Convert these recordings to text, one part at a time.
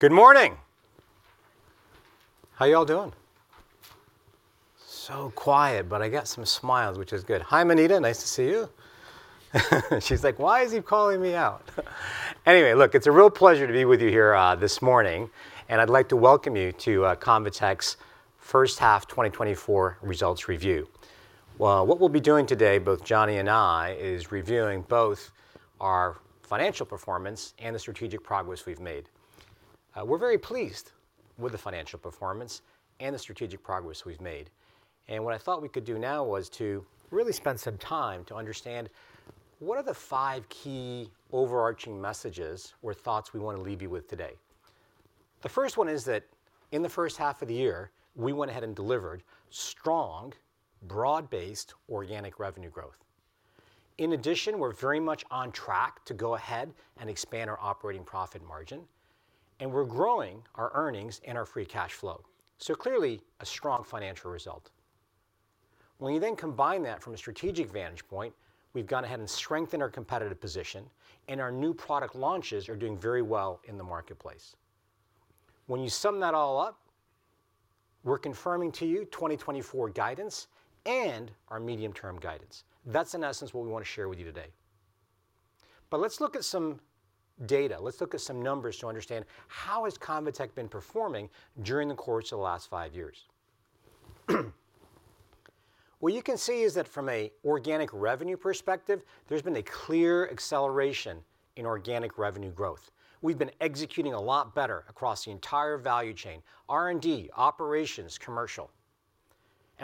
Good morning! How you all doing? So quiet, but I got some smiles, which is good. Hi, Manita, nice to see you. She's like, "Why is he calling me out?" Anyway, look, it's a real pleasure to be with you here, this morning, and I'd like to welcome you to ConvaTec's first half 2024 results review. Well, what we'll be doing today, both Jonny and I, is reviewing both our financial performance and the strategic progress we've made. We're very pleased with the financial performance and the strategic progress we've made. And what I thought we could do now was to really spend some time to understand what are the five key overarching messages or thoughts we want to leave you with today? The first one is that in the first half of the year, we went ahead and delivered strong, broad-based organic revenue growth. In addition, we're very much on track to go ahead and expand our operating profit margin, and we're growing our earnings and our free cash flow, so clearly, a strong financial result. When you then combine that from a strategic vantage point, we've gone ahead and strengthened our competitive position, and our new product launches are doing very well in the marketplace. When you sum that all up, we're confirming to you 2024 guidance and our medium-term guidance. That's, in essence, what we want to share with you today. But let's look at some data. Let's look at some numbers to understand how has ConvaTec been performing during the course of the last five years? What you can see is that from a organic revenue perspective, there's been a clear acceleration in organic revenue growth. We've been executing a lot better across the entire value chain: R&D, operations, commercial.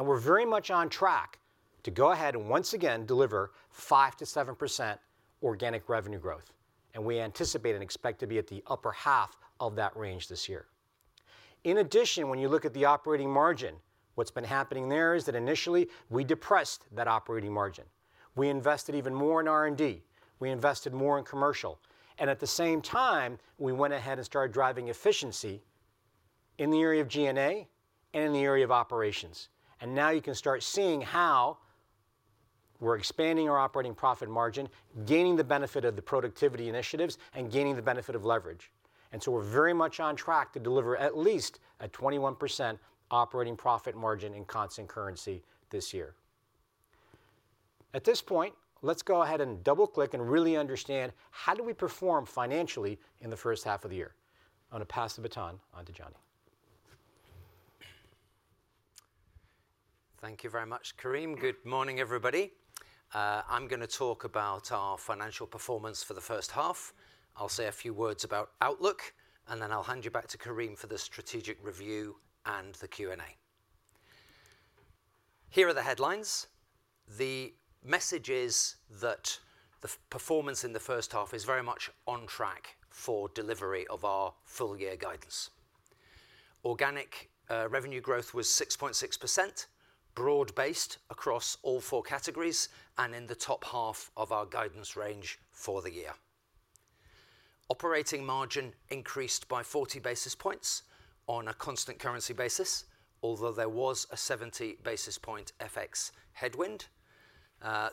We're very much on track to go ahead and once again deliver 5%-7% organic revenue growth, and we anticipate and expect to be at the upper half of that range this year. In addition, when you look at the operating margin, what's been happening there is that initially, we depressed that operating margin. We invested even more in R&D. We invested more in commercial, and at the same time, we went ahead and started driving efficiency in the area of G&A and in the area of operations. Now you can start seeing how we're expanding our operating profit margin, gaining the benefit of the productivity initiatives, and gaining the benefit of leverage. So we're very much on track to deliver at least a 21% operating profit margin in constant currency this year. At this point, let's go ahead and double-click and really understand how do we perform financially in the first half of the year? I'm going to pass the baton on to Jonny. Thank you very much, Karim. Good morning, everybody. I'm going to talk about our financial performance for the first half. I'll say a few words about outlook, and then I'll hand you back to Karim for the strategic review and the Q&A. Here are the headlines. The message is that the performance in the first half is very much on track for delivery of our full-year guidance. Organic revenue growth was 6.6%, broad-based across all four categories and in the top half of our guidance range for the year. Operating margin increased by 40 basis points on a constant currency basis, although there was a 70 basis point FX headwind.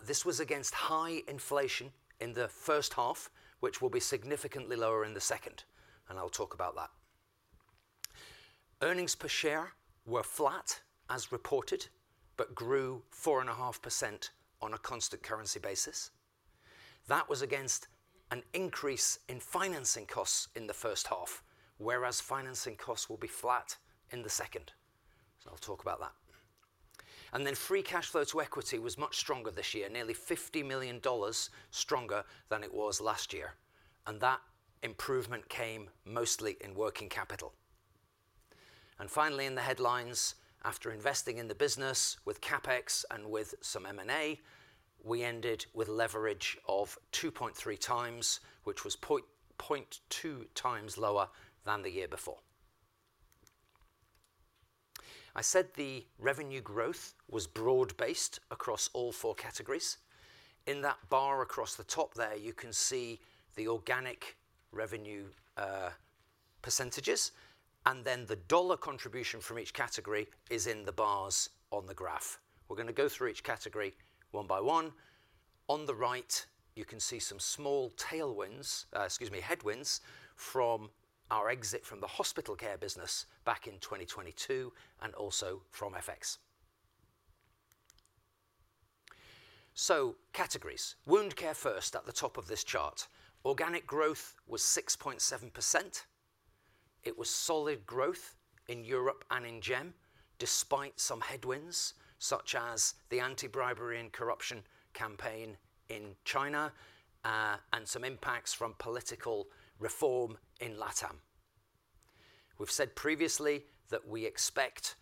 This was against high inflation in the first half, which will be significantly lower in the second, and I'll talk about that. Earnings per share were flat as reported, but grew 4.5% on a constant currency basis. That was against an increase in financing costs in the first half, whereas financing costs will be flat in the second, so I'll talk about that. Then free cash flow to equity was much stronger this year, nearly $50 million stronger than it was last year, and that improvement came mostly in working capital. Finally, in the headlines, after investing in the business with CapEx and with some M&A, we ended with leverage of 2.3x, which was 0.2x lower than the year before. I said the revenue growth was broad-based across all four categories. In that bar across the top there, you can see the organic revenue percentages, and then the dollar contribution from each category is in the bars on the graph. We're going to go through each category one by one. On the right, you can see some small tailwinds, excuse me, headwinds from our exit from the hospital care business back in 2022 and also from FX. So categories. Wound care first, at the top of this chart. Organic growth was 6.7%. It was solid growth in Europe and in GEM, despite some headwinds, such as the anti-bribery and corruption campaign in China, and some impacts from political reform in LATAM. We've said previously that we expect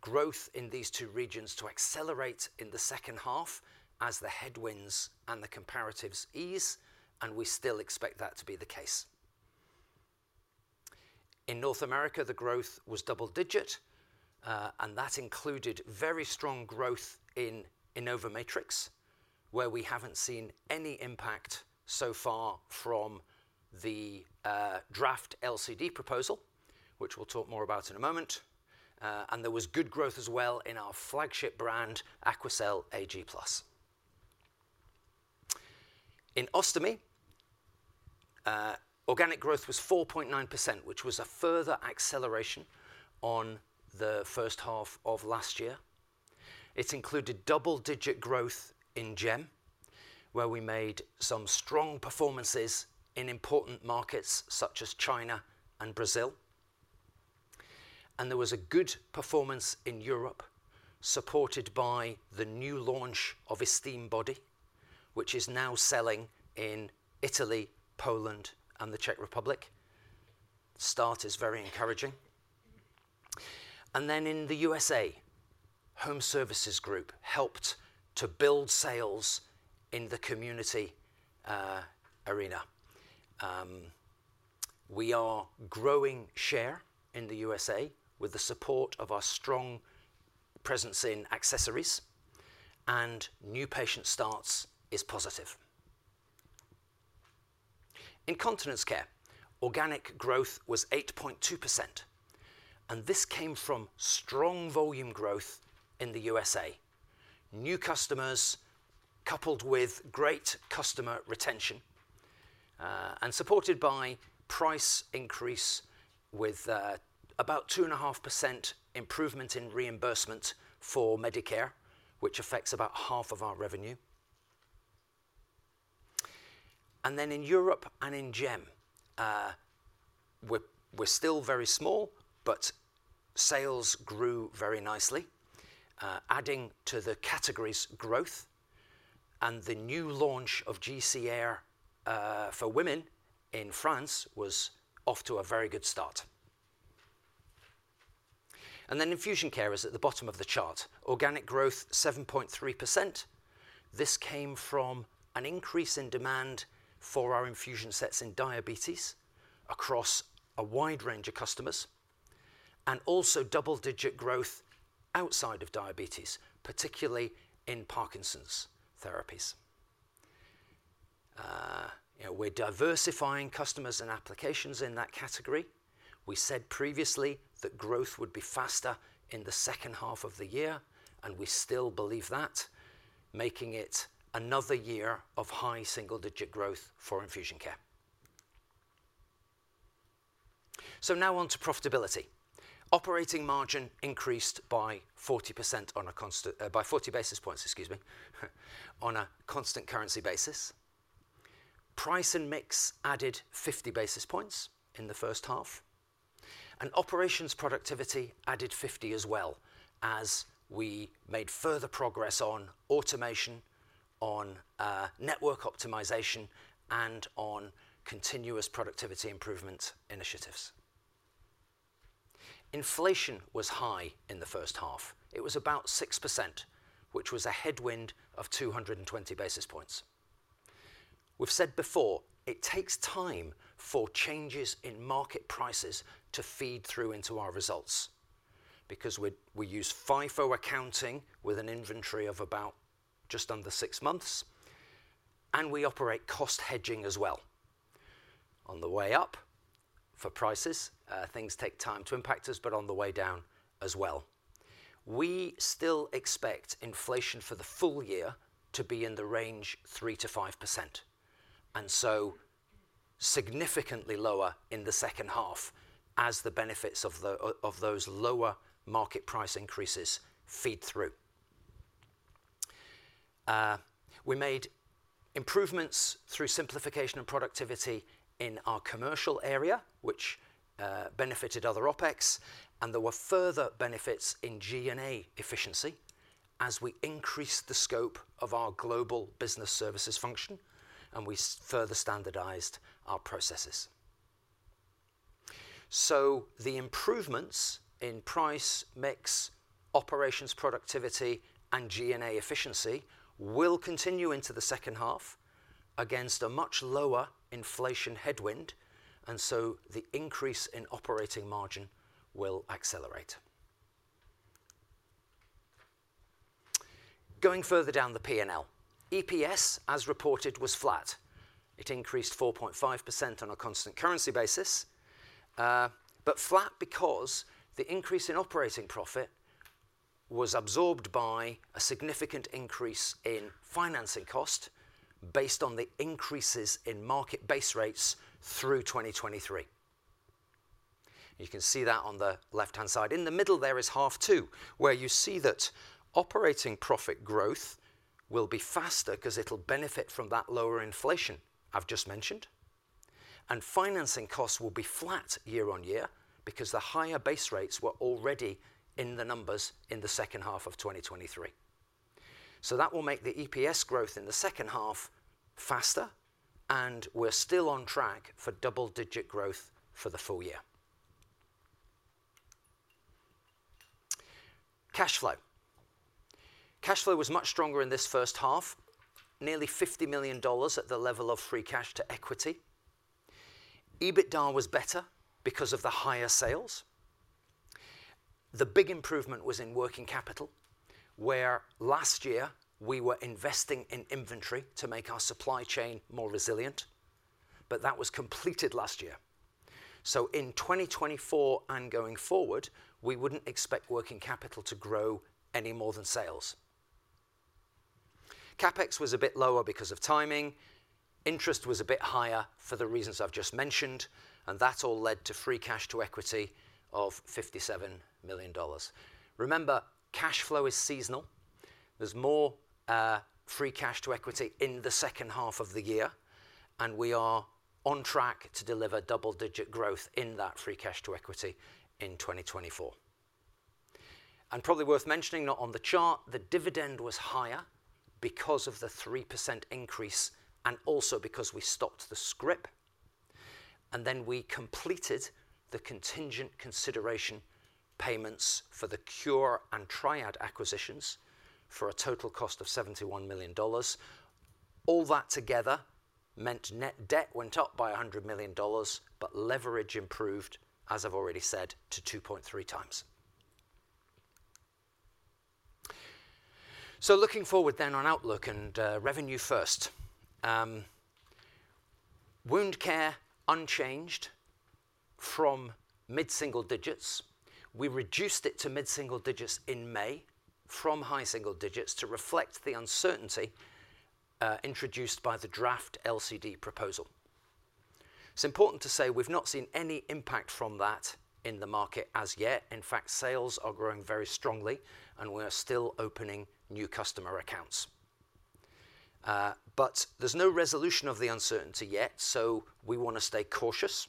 growth in these two regions to accelerate in the second half as the headwinds and the comparatives ease, and we still expect that to be the case. In North America, the growth was double-digit, and that included very strong growth in InnovaMatrix, where we haven't seen any impact so far from the draft LCD proposal, which we'll talk more about in a moment. And there was good growth as well in our flagship brand, Aquacel Ag+.... In Ostomy, organic growth was 4.9%, which was a further acceleration on the first half of last year. It included double-digit growth in GEM, where we made some strong performances in important markets such as China and Brazil. And there was a good performance in Europe, supported by the new launch of Esteem Body, which is now selling in Italy, Poland, and the Czech Republic. Start is very encouraging. And then in the USA, Home Services Group helped to build sales in the community arena. We are growing share in the USA with the support of our strong presence in accessories, and new patient starts is positive. In Continence Care, organic growth was 8.2%, and this came from strong volume growth in the USA. New customers, coupled with great customer retention, and supported by price increase with about 2.5% improvement in reimbursement for Medicare, which affects about half of our revenue. And then in Europe and in GEM, we're still very small, but sales grew very nicely, adding to the category's growth, and the new launch of GC Air for women in France was off to a very good start. And then Infusion Care is at the bottom of the chart. Organic growth, 7.3%. This came from an increase in demand for our infusion sets in diabetes across a wide range of customers, and also double-digit growth outside of diabetes, particularly in Parkinson's therapies. You know, we're diversifying customers and applications in that category. We said previously that growth would be faster in the second half of the year, and we still believe that, making it another year of high single-digit growth for Infusion Care. So now on to profitability. Operating margin increased by 40% on a constant, by 40 basis points, excuse me, on a constant currency basis. Price and mix added 50 basis points in the first half, and operations productivity added 50 as well, as we made further progress on automation, on, network optimization, and on continuous productivity improvement initiatives. Inflation was high in the first half. It was about 6%, which was a headwind of 220 basis points. We've said before, it takes time for changes in market prices to feed through into our results, because we, we use FIFO accounting with an inventory of about just under six months, and we operate cost hedging as well. On the way up for prices, things take time to impact us, but on the way down as well. We still expect inflation for the full year to be in the range 3%-5%, and so significantly lower in the second half as the benefits of the, of, of those lower market price increases feed through. We made improvements through simplification and productivity in our commercial area, which benefited other OpEx, and there were further benefits in G&A efficiency as we increased the scope of our Global Business Services function, and we further standardized our processes. So the improvements in price, mix, operations, productivity, and G&A efficiency will continue into the second half against a much lower inflation headwind, and so the increase in operating margin will accelerate. Going further down the P&L. EPS, as reported, was flat. It increased 4.5% on a constant currency basis, but flat because the increase in operating profit was absorbed by a significant increase in financing cost based on the increases in market base rates through 2023. You can see that on the left-hand side. In the middle there is H2, where you see that operating profit growth will be faster 'cause it'll benefit from that lower inflation I've just mentioned, and financing costs will be flat year-on-year because the higher base rates were already in the numbers in the second half of 2023. So that will make the EPS growth in the second half faster, and we're still on track for double-digit growth for the full year. Cash flow. Cash flow was much stronger in this first half, nearly $50 million at the level of free cash to equity. EBITDA was better because of the higher sales. The big improvement was in working capital, where last year we were investing in inventory to make our supply chain more resilient... but that was completed last year. So in 2024 and going forward, we wouldn't expect working capital to grow any more than sales. CapEx was a bit lower because of timing. Interest was a bit higher for the reasons I've just mentioned, and that all led to free cash to equity of $57 million. Remember, cash flow is seasonal. There's more, free cash to equity in the second half of the year, and we are on track to deliver double-digit growth in that free cash to equity in 2024. And probably worth mentioning, not on the chart, the dividend was higher because of the 3% increase and also because we stopped the scrip, and then we completed the contingent consideration payments for the Cure and Triad acquisitions for a total cost of $71 million. All that together meant net debt went up by $100 million, but leverage improved, as I've already said, to 2.3x. So looking forward then on outlook and revenue first. Wound care unchanged from mid-single digits. We reduced it to mid-single digits in May from high single digits to reflect the uncertainty introduced by the draft LCD proposal. It's important to say we've not seen any impact from that in the market as yet. In fact, sales are growing very strongly, and we are still opening new customer accounts. But there's no resolution of the uncertainty yet, so we wanna stay cautious.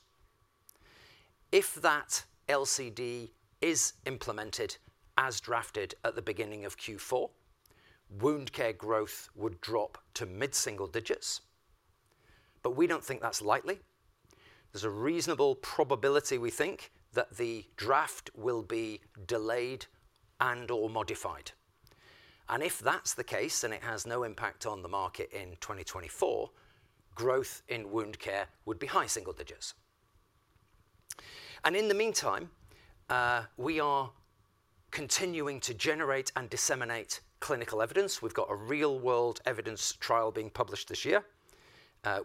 If that LCD is implemented as drafted at the beginning of Q4, wound care growth would drop to mid-single digits, but we don't think that's likely. There's a reasonable probability, we think, that the draft will be delayed and/or modified. And if that's the case, and it has no impact on the market in 2024, growth in wound care would be high single digits. In the meantime, we are continuing to generate and disseminate clinical evidence. We've got a real-world evidence trial being published this year.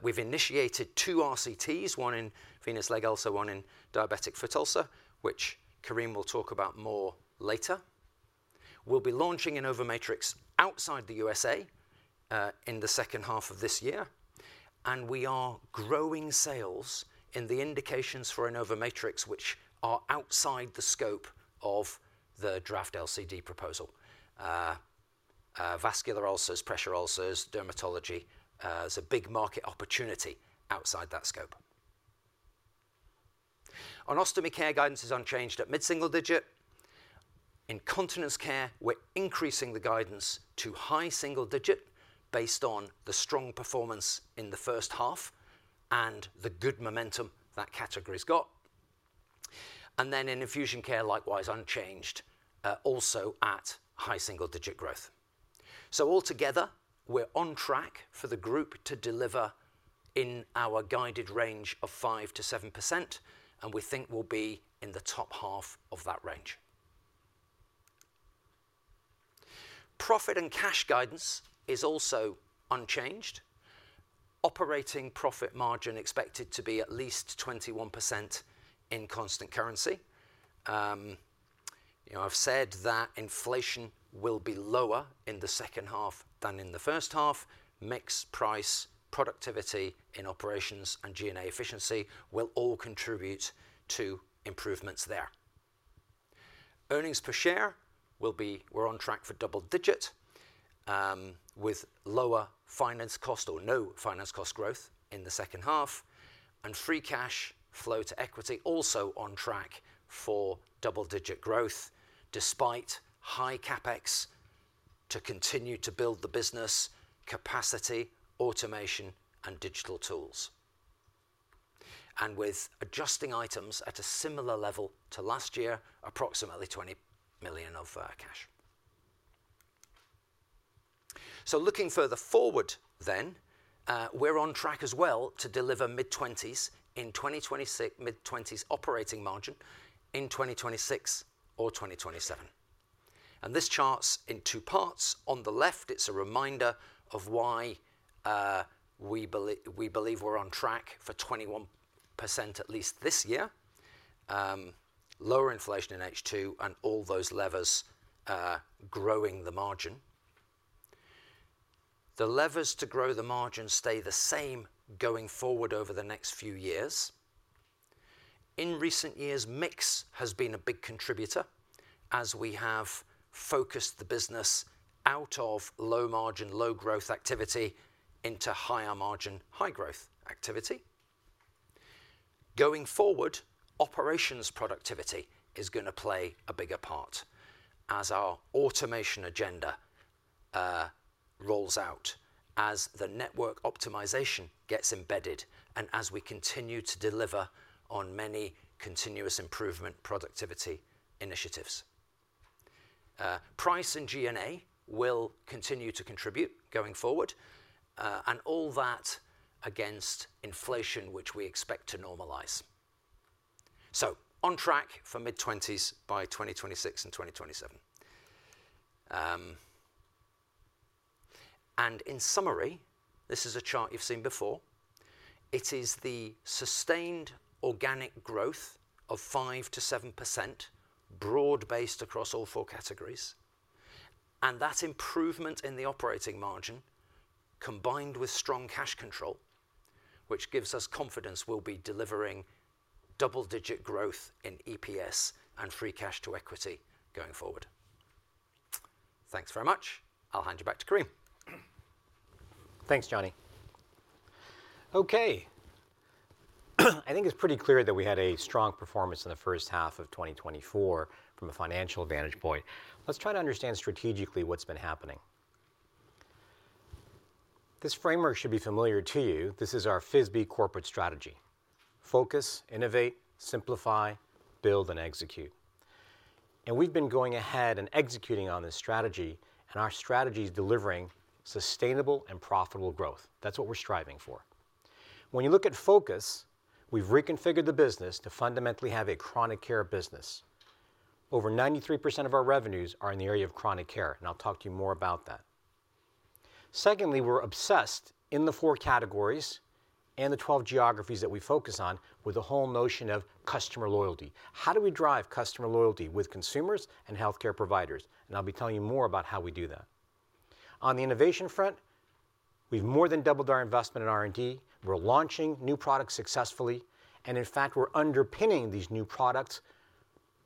We've initiated two RCTs, one in venous leg ulcer, one in diabetic foot ulcer, which Karim will talk about more later. We'll be launching an InnovaMatrix outside the USA, in the second half of this year, and we are growing sales in the indications for InnovaMatrix, which are outside the scope of the draft LCD proposal. Vascular ulcers, pressure ulcers, dermatology, there's a big market opportunity outside that scope. On ostomy care, guidance is unchanged at mid-single digit. In continence care, we're increasing the guidance to high single-digit based on the strong performance in the first half and the good momentum that category's got. And then in infusion care, likewise, unchanged, also at high single-digit growth. So altogether, we're on track for the group to deliver in our guided range of 5%-7%, and we think we'll be in the top half of that range. Profit and cash guidance is also unchanged. Operating profit margin expected to be at least 21% in constant currency. You know, I've said that inflation will be lower in the second half than in the first half. Mix price, productivity in operations, and G&A efficiency will all contribute to improvements there. Earnings per share will be—we're on track for double-digit with lower finance cost or no finance cost growth in the second half, and free cash flow to equity also on track for double-digit growth, despite high CapEx, to continue to build the business capacity, automation, and digital tools. With adjusting items at a similar level to last year, approximately $20 million of cash. So looking further forward then, we're on track as well to deliver mid-20s in 2026—mid-20s operating margin in 2026 or 2027. This chart's in two parts. On the left, it's a reminder of why we believe we're on track for 21% at least this year. Lower inflation in H2 and all those levers growing the margin. The levers to grow the margin stay the same going forward over the next few years. In recent years, mix has been a big contributor as we have focused the business out of low margin, low growth activity into higher margin, high growth activity. Going forward, operations productivity is gonna play a bigger part as our automation agenda rolls out, as the network optimization gets embedded, and as we continue to deliver on many continuous improvement productivity initiatives. Price and G&A will continue to contribute going forward, and all that against inflation, which we expect to normalize. So on track for mid-20s% by 2026 and 2027. In summary, this is a chart you've seen before. It is the sustained organic growth of 5%-7%, broad-based across all four categories, and that improvement in the operating margin, combined with strong cash control, which gives us confidence we'll be delivering double-digit growth in EPS and free cash to equity going forward. Thanks very much. I'll hand you back to Karim. Thanks, Jonny. Okay, I think it's pretty clear that we had a strong performance in the first half of 2024 from a financial vantage point. Let's try to understand strategically what's been happening. This framework should be familiar to you. This is our FISB corporate strategy: focus, innovate, simplify, build, and execute. We've been going ahead and executing on this strategy, and our strategy is delivering sustainable and profitable growth. That's what we're striving for. When you look at focus, we've reconfigured the business to fundamentally have a chronic care business. Over 93% of our revenues are in the area of chronic care, and I'll talk to you more about that. Secondly, we're obsessed in the four categories and the 12 geographies that we focus on with the whole notion of customer loyalty. How do we drive customer loyalty with consumers and healthcare providers? I'll be telling you more about how we do that. On the innovation front, we've more than doubled our investment in R&D. We're launching new products successfully, and in fact, we're underpinning these new products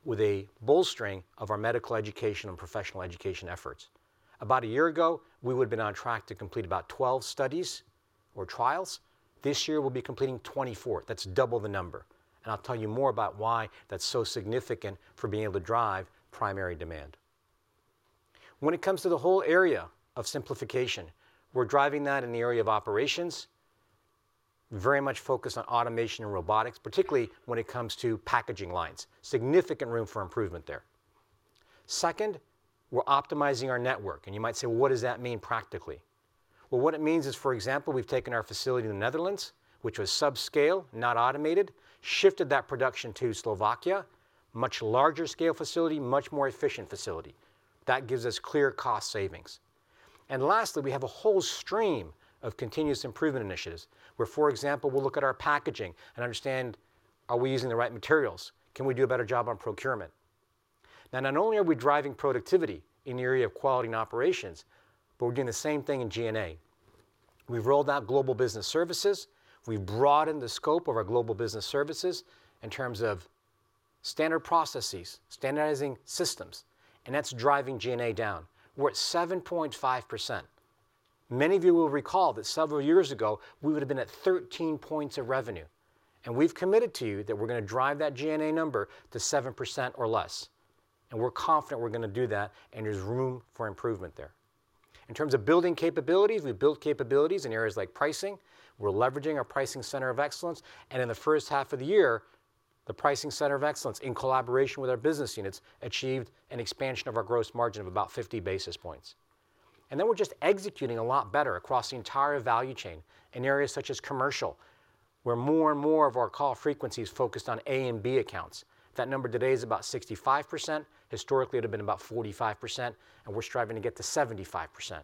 with a bolstering of our medical education and professional education efforts. About a year ago, we would have been on track to complete about 12 studies or trials. This year, we'll be completing 24. That's double the number, and I'll tell you more about why that's so significant for being able to drive primary demand. When it comes to the whole area of simplification, we're driving that in the area of operations, very much focused on automation and robotics, particularly when it comes to packaging lines. Significant room for improvement there. Second, we're optimizing our network, and you might say: Well, what does that mean practically? Well, what it means is, for example, we've taken our facility in the Netherlands, which was subscale, not automated, shifted that production to Slovakia, much larger scale facility, much more efficient facility. That gives us clear cost savings. And lastly, we have a whole stream of continuous improvement initiatives, where, for example, we'll look at our packaging and understand, are we using the right materials? Can we do a better job on procurement? Now, not only are we driving productivity in the area of quality and operations, but we're doing the same thing in G&A. We've rolled out Global Business Services. We've broadened the scope of our Global Business Services in terms of standard processes, standardizing systems, and that's driving G&A down. We're at 7.5%. Many of you will recall that several years ago, we would have been at 13 points of revenue, and we've committed to you that we're gonna drive that G&A number to 7% or less, and we're confident we're gonna do that, and there's room for improvement there. In terms of building capabilities, we've built capabilities in areas like pricing. We're leveraging our Pricing Center of Excellence, and in the first half of the year, the Pricing Center of Excellence, in collaboration with our business units, achieved an expansion of our gross margin of about 50 basis points. We're just executing a lot better across the entire value chain in areas such as commercial, where more and more of our call frequency is focused on A and B accounts. That number today is about 65%. Historically, it'd been about 45%, and we're striving to get to 75%.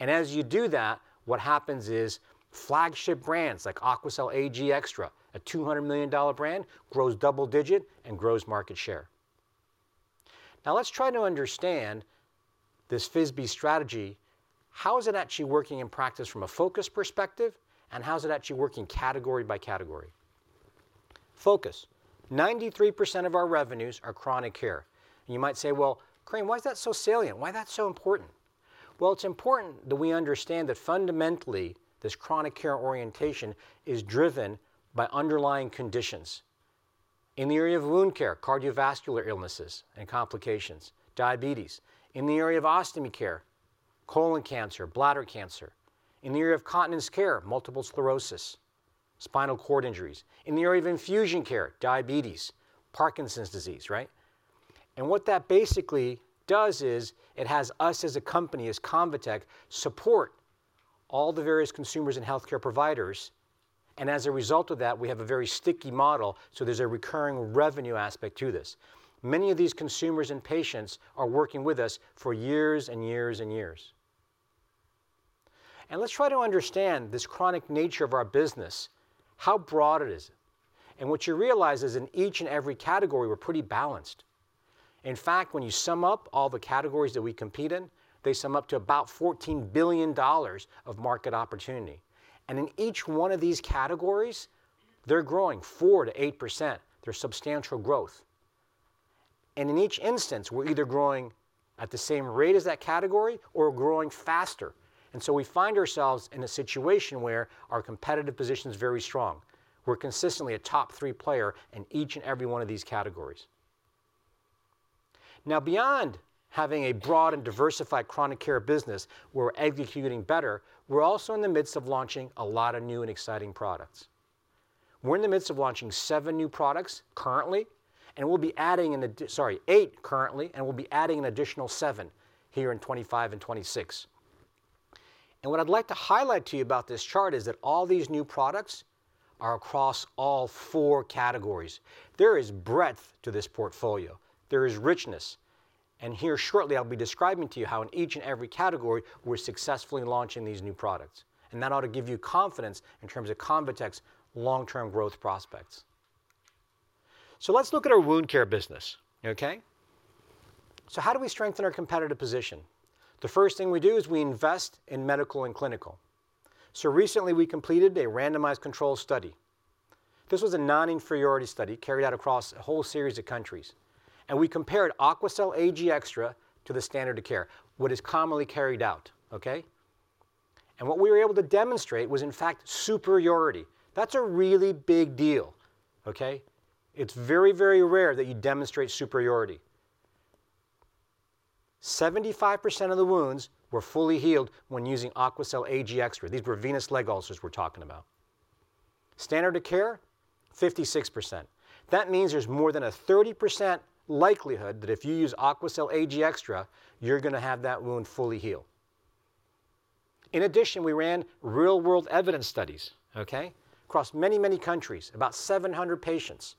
As you do that, what happens is flagship brands like Aquacel Ag Extra, a $200 million brand, grows double digit and grows market share. Now, let's try to understand this FISB strategy. How is it actually working in practice from a focus perspective, and how is it actually working category by category? Focus. 93% of our revenues are chronic care, and you might say, "Well, Karim, why is that so salient? Why is that so important?" Well, it's important that we understand that fundamentally, this chronic care orientation is driven by underlying conditions. In the area of wound care, cardiovascular illnesses and complications, diabetes. In the area of ostomy care, colon cancer, bladder cancer. In the area of continence care, multiple sclerosis, spinal cord injuries. In the area of infusion care, diabetes, Parkinson's disease, right? And what that basically does is, it has us as a company, as ConvaTec, support all the various consumers and healthcare providers, and as a result of that, we have a very sticky model, so there's a recurring revenue aspect to this. Many of these consumers and patients are working with us for years and years and years. And let's try to understand this chronic nature of our business, how broad it is, and what you realize is in each and every category, we're pretty balanced. In fact, when you sum up all the categories that we compete in, they sum up to about $14 billion of market opportunity. And in each one of these categories, they're growing 4%-8%. There's substantial growth. In each instance, we're either growing at the same rate as that category or growing faster. So we find ourselves in a situation where our competitive position is very strong. We're consistently a top three player in each and every one of these categories. Now, beyond having a broad and diversified chronic care business, we're executing better. We're also in the midst of launching a lot of new and exciting products. We're in the midst of launching seven new products currently, and we'll be adding. Sorry, eight currently, and we'll be adding an additional seven here in 2025 and 2026. What I'd like to highlight to you about this chart is that all these new products are across all four categories. There is breadth to this portfolio, there is richness, and here shortly, I'll be describing to you how in each and every category, we're successfully launching these new products, and that ought to give you confidence in terms of ConvaTec's long-term growth prospects. So let's look at our wound care business, okay? So how do we strengthen our competitive position? The first thing we do is we invest in medical and clinical. So recently, we completed a randomized controlled study. This was a non-inferiority study carried out across a whole series of countries, and we compared Aquacel Ag Extra to the standard of care, what is commonly carried out, okay? And what we were able to demonstrate was, in fact, superiority. That's a really big deal, okay? It's very, very rare that you demonstrate superiority. 75% of the wounds were fully healed when using Aquacel Ag Extra. These were venous leg ulcers we're talking about. Standard of care, 56%. That means there's more than a 30% likelihood that if you use Aquacel Ag Extra, you're gonna have that wound fully heal. In addition, we ran real-world evidence studies, okay? Across many, many countries, about 700 patients,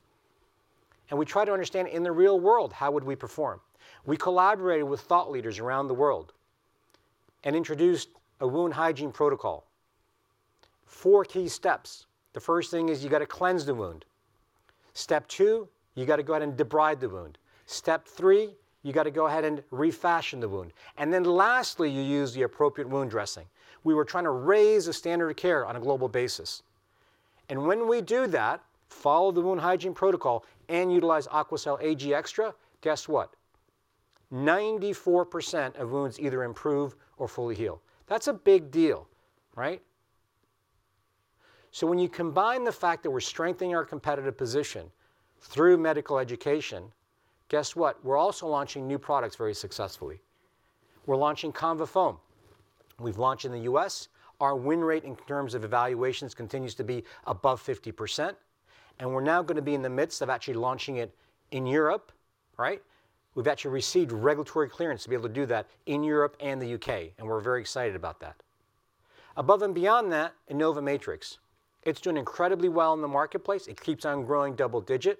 and we tried to understand, in the real world, how would we perform? We collaborated with thought leaders around the world and introduced a wound hygiene protocol. Four key steps. The first thing is you've got to cleanse the wound. Step two, you've got to go ahead and debride the wound. Step three, you've got to go ahead and refashion the wound, and then lastly, you use the appropriate wound dressing. We were trying to raise the standard of care on a global basis, and when we do that, follow the wound hygiene protocol and utilize Aquacel Ag Extra, guess what? 94% of wounds either improve or fully heal. That's a big deal, right? So when you combine the fact that we're strengthening our competitive position through medical education, guess what? We're also launching new products very successfully. We're launching ConvaFoam. We've launched in the U.S. Our win rate in terms of evaluations continues to be above 50%, and we're now gonna be in the midst of actually launching it in Europe, right? We've actually received regulatory clearance to be able to do that in Europe and the U.K., and we're very excited about that. Above and beyond that, InnovaMatrix. It's doing incredibly well in the marketplace. It keeps on growing double-digit,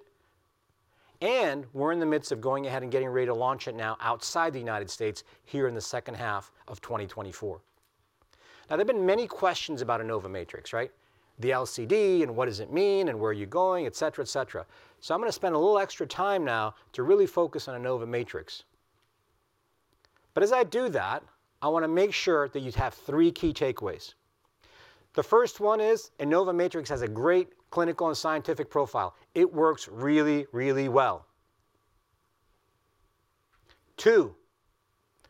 and we're in the midst of going ahead and getting ready to launch it now outside the United States, here in the second half of 2024. Now, there have been many questions about InnovaMatrix, right? The LCD, and what does it mean, and where are you going, et cetera, et cetera. So I'm gonna spend a little extra time now to really focus on InnovaMatrix. But as I do that, I wanna make sure that you have three key takeaways. The first one is, InnovaMatrix has a great clinical and scientific profile. It works really, really well. Two,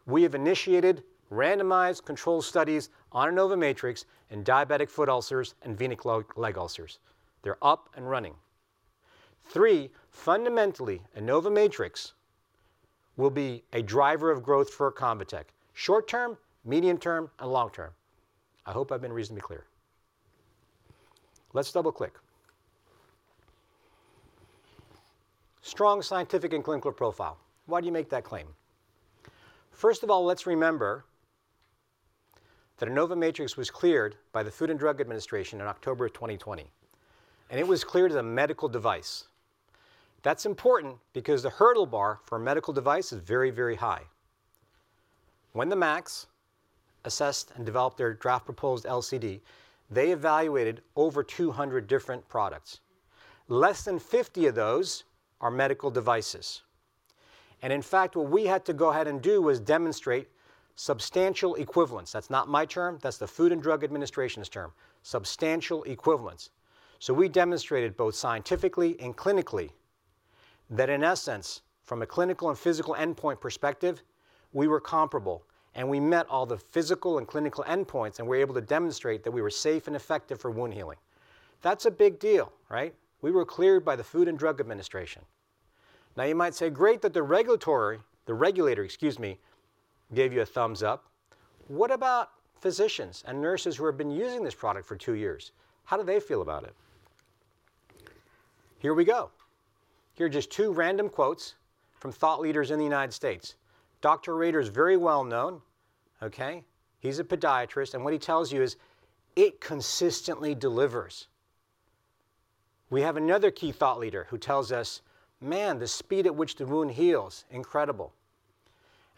we have initiated randomized control studies on InnovaMatrix in diabetic foot ulcers and venous leg ulcers. They're up and running. Three, fundamentally, InnovaMatrix will be a driver of growth for ConvaTec, short term, medium term, and long term. I hope I've been reasonably clear. Let's double-click. Strong scientific and clinical profile. Why do you make that claim? First of all, let's remember that InnovaMatrix was cleared by the Food and Drug Administration in October 2020, and it was cleared as a medical device. That's important because the hurdle bar for a medical device is very, very high. When the MAC assessed and developed their draft proposed LCD, they evaluated over 200 different products. Less than 50 of those are medical devices, and in fact, what we had to go ahead and do was demonstrate substantial equivalence. That's not my term, that's the Food and Drug Administration's term, substantial equivalence. So we demonstrated both scientifically and clinically, that in essence, from a clinical and physical endpoint perspective, we were comparable, and we met all the physical and clinical endpoints, and were able to demonstrate that we were safe and effective for wound healing. That's a big deal, right? We were cleared by the Food and Drug Administration. Now, you might say, "Great, that the regulatory, the regulator," excuse me, "gave you a thumbs up. What about physicians and nurses who have been using this product for two years? How do they feel about it?" Here we go. Here are just two random quotes from thought leaders in the United States. Dr. Reiter is very well known, okay? He's a podiatrist, and what he tells you is, "It consistently delivers." We have another key thought leader who tells us, "Man, the speed at which the wound heals, incredible."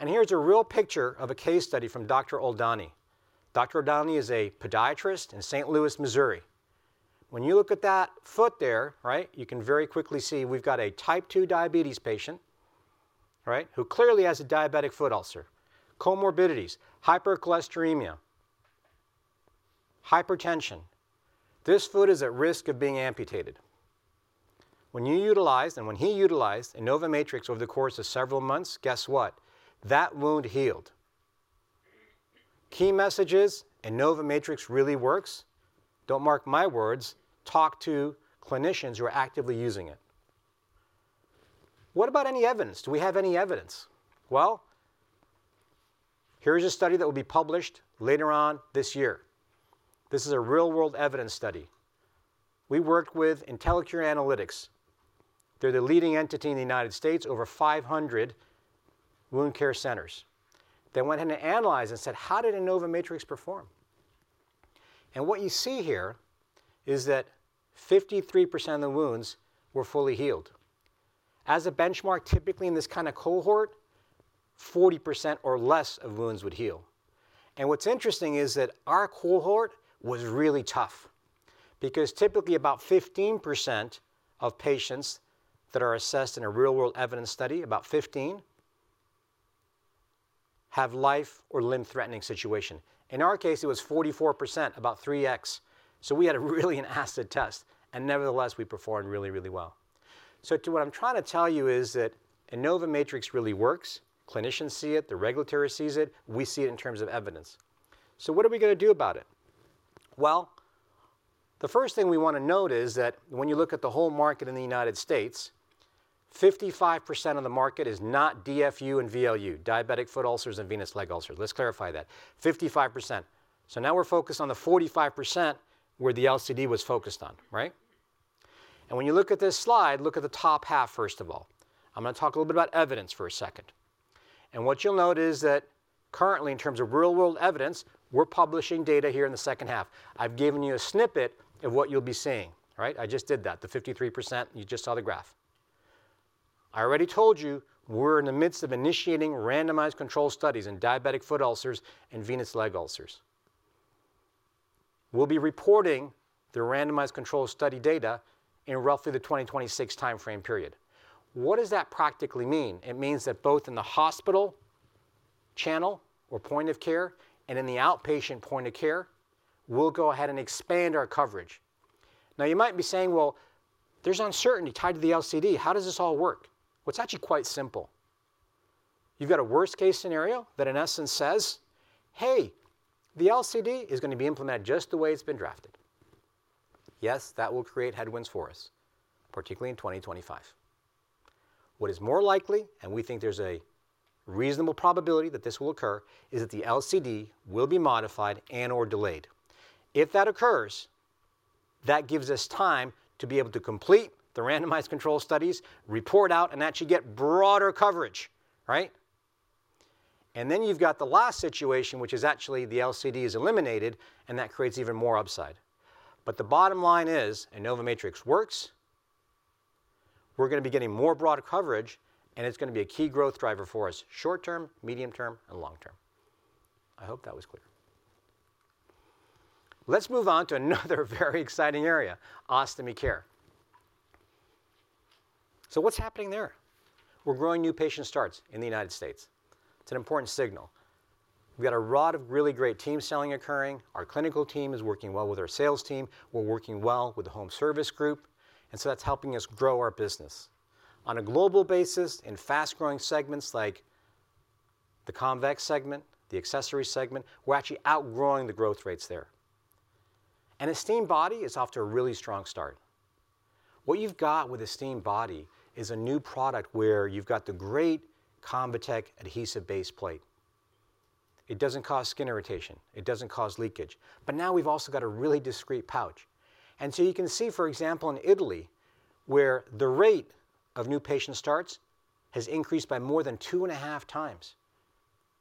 And here's a real picture of a case study from Dr. Oldani. Dr. Oldani is a podiatrist in St. Louis, Missouri. When you look at that foot there, right, you can very quickly see we've got a type 2 diabetes patient, right, who clearly has a diabetic foot ulcer, comorbidities, hypercholesterolemia, hypertension. This foot is at risk of being amputated. When you utilized, and when he utilized InnovaMatrix over the course of several months, guess what? That wound healed. Key message is, InnovaMatrix really works. Don't mark my words, talk to clinicians who are actively using it. What about any evidence? Do we have any evidence? Well, here is a study that will be published later on this year. This is a real-world evidence study. We worked with Intellicure Analytics. They're the leading entity in the United States, over 500 wound care centers. They went in to analyze and said, "How did InnovaMatrix perform?" And what you see here is that 53% of the wounds were fully healed. As a benchmark, typically in this kind of cohort, 40% or less of wounds would heal. And what's interesting is that our cohort was really tough, because typically, about 15% of patients that are assessed in a real-world evidence study, about 15, have life or limb-threatening situation. In our case, it was 44%, about 3x. So we had a really an acid test, and nevertheless, we performed really, really well. So what I'm trying to tell you is that InnovaMatrix really works. Clinicians see it, the regulatory sees it, we see it in terms of evidence. So what are we gonna do about it? Well, the first thing we wanna note is that when you look at the whole market in the United States, 55% of the market is not DFU and VLU, diabetic foot ulcers and venous leg ulcers. Let's clarify that, 55%. So now we're focused on the 45%, where the LCD was focused on, right? And when you look at this slide, look at the top half, first of all. I'm gonna talk a little bit about evidence for a second. And what you'll note is that currently, in terms of real-world evidence, we're publishing data here in the second half. I've given you a snippet of what you'll be seeing, right? I just did that, the 53%, you just saw the graph. I already told you we're in the midst of initiating randomized control studies in diabetic foot ulcers and venous leg ulcers. We'll be reporting the randomized control study data in roughly the 2026 timeframe period. What does that practically mean? It means that both in the hospital channel or point of care, and in the outpatient point of care, we'll go ahead and expand our coverage. Now, you might be saying, "Well, there's uncertainty tied to the LCD. How does this all work?" Well, it's actually quite simple. You've got a worst-case scenario that, in essence, says, "Hey, the LCD is gonna be implemented just the way it's been drafted." Yes, that will create headwinds for us, particularly in 2025. What is more likely, and we think there's a reasonable probability that this will occur, is that the LCD will be modified and/or delayed. If that occurs, that gives us time to be able to complete the randomized controlled studies, report out, and actually get broader coverage, right? And then you've got the last situation, which is actually the LCD is eliminated, and that creates even more upside. But the bottom line is, InnovaMatrix works. We're gonna be getting more broader coverage, and it's gonna be a key growth driver for us short term, medium term, and long term. I hope that was clear. Let's move on to another very exciting area, ostomy care. So what's happening there? We're growing new patient starts in the United States. It's an important signal. We've got a lot of really great team selling occurring. Our clinical team is working well with our sales team. We're working well with the Home Services Group, and so that's helping us grow our business. On a global basis, in fast-growing segments like the convex segment, the accessory segment, we're actually outgrowing the growth rates there. Esteem Body is off to a really strong start. What you've got with Esteem Body is a new product where you've got the great ConvaTec adhesive baseplate. It doesn't cause skin irritation, it doesn't cause leakage, but now we've also got a really discreet pouch. So you can see, for example, in Italy, where the rate of new patient starts has increased by more than 2.5x,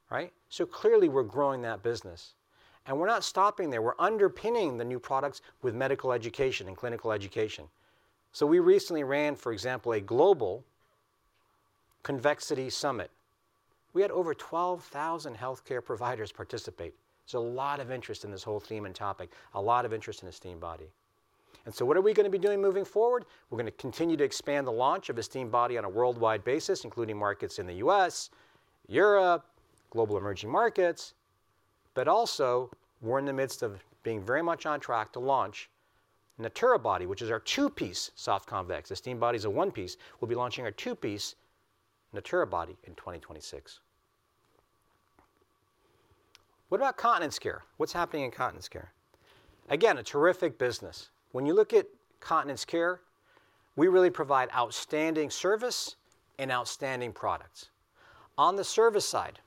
right? Clearly, we're growing that business, and we're not stopping there. We're underpinning the new products with medical education and clinical education. We recently ran, for example, a global convexity summit. We had over 12,000 healthcare providers participate. There's a lot of interest in this whole theme and topic, a lot of interest in Esteem Body. So what are we gonna be doing moving forward? We're gonna continue to expand the launch of Esteem Body on a worldwide basis, including markets in the U.S., Europe, global emerging markets. Also, we're in the midst of being very much on track to launch Natura Body, which is our two-piece soft convex. Esteem Body's a one-piece. We'll be launching our two-piece Natura Body in 2026. What about Continence Care? What's happening in Continence Care? Again, a terrific business. When you look at Continence Care, we really provide outstanding service and outstanding products. On the service side,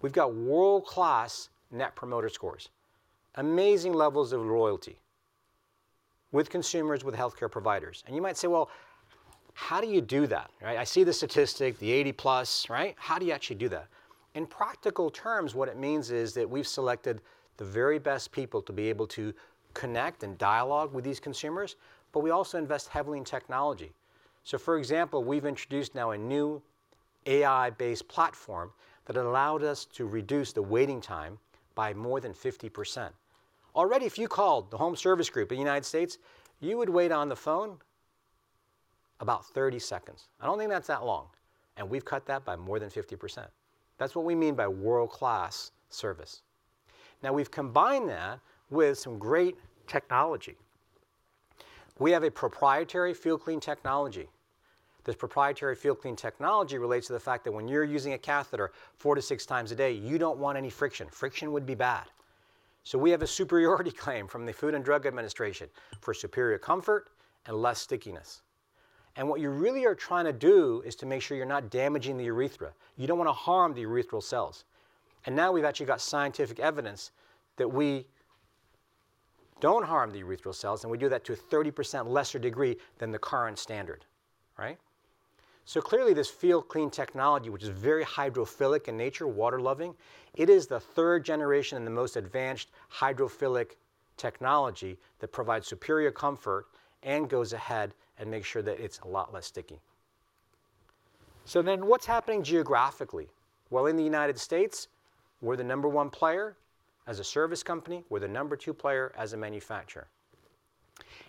we've got world-class Net Promoter Scores, amazing levels of loyalty with consumers, with healthcare providers. And you might say, "Well, how do you do that," right? "I see the statistic, the 80+," right? "How do you actually do that?" In practical terms, what it means is that we've selected the very best people to be able to connect and dialogue with these consumers, but we also invest heavily in technology. So, for example, we've introduced now a new AI-based platform that allowed us to reduce the waiting time by more than 50%. Already, if you called the Home Services Group in the United States, you would wait on the phone about 30 seconds. I don't think that's that long, and we've cut that by more than 50%. That's what we mean by world-class service. Now, we've combined that with some great technology. We have a proprietary FeelClean technology. This proprietary FeelClean technology relates to the fact that when you're using a catheter four to six times a day, you don't want any friction. Friction would be bad. So we have a superiority claim from the Food and Drug Administration for superior comfort and less stickiness. What you really are trying to do is to make sure you're not damaging the urethra. You don't wanna harm the urethral cells. Now we've actually got scientific evidence that we don't harm the urethral cells, and we do that to a 30% lesser degree than the current standard, right? So clearly, this FeelClean technology, which is very hydrophilic in nature, water-loving, it is the third generation and the most advanced hydrophilic technology that provides superior comfort and goes ahead and makes sure that it's a lot less sticky. So then what's happening geographically? Well, in the United States, we're the number one player as a service company. We're the number two player as a manufacturer.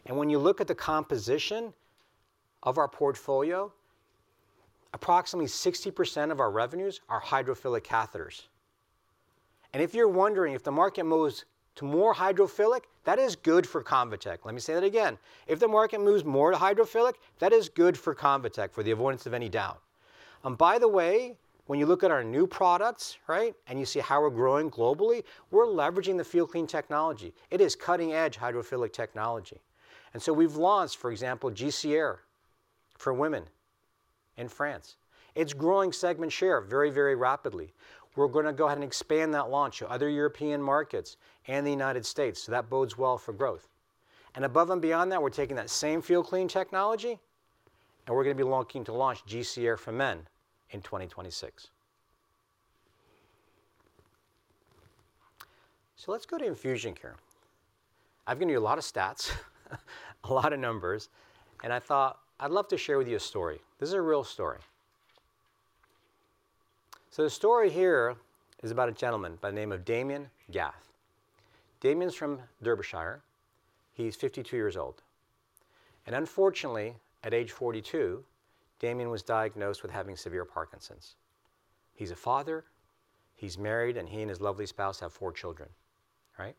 And when you look at the composition of our portfolio, approximately 60% of our revenues are hydrophilic catheters. And if you're wondering, if the market moves to more hydrophilic, that is good for ConvaTec. Let me say that again. If the market moves more to hydrophilic, that is good for ConvaTec, for the avoidance of any doubt. And by the way, when you look at our new products, right, and you see how we're growing globally, we're leveraging the FeelClean technology. It is cutting-edge hydrophilic technology, and so we've launched, for example, GC Air for women in France. It's growing segment share very, very rapidly. We're gonna go ahead and expand that launch to other European markets and the United States, so that bodes well for growth. And above and beyond that, we're taking that same FeelClean technology, and we're gonna be looking to launch GC Air for men in 2026. So let's go to Infusion Care. I've given you a lot of stats, a lot of numbers, and I thought I'd love to share with you a story. This is a real story. So the story here is about a gentleman by the name of Damian Gath. Damian's from Derbyshire. He's 52 years old, and unfortunately, at age 42, Damian was diagnosed with having severe Parkinson's. He's a father, he's married, and he and his lovely spouse have four children, right?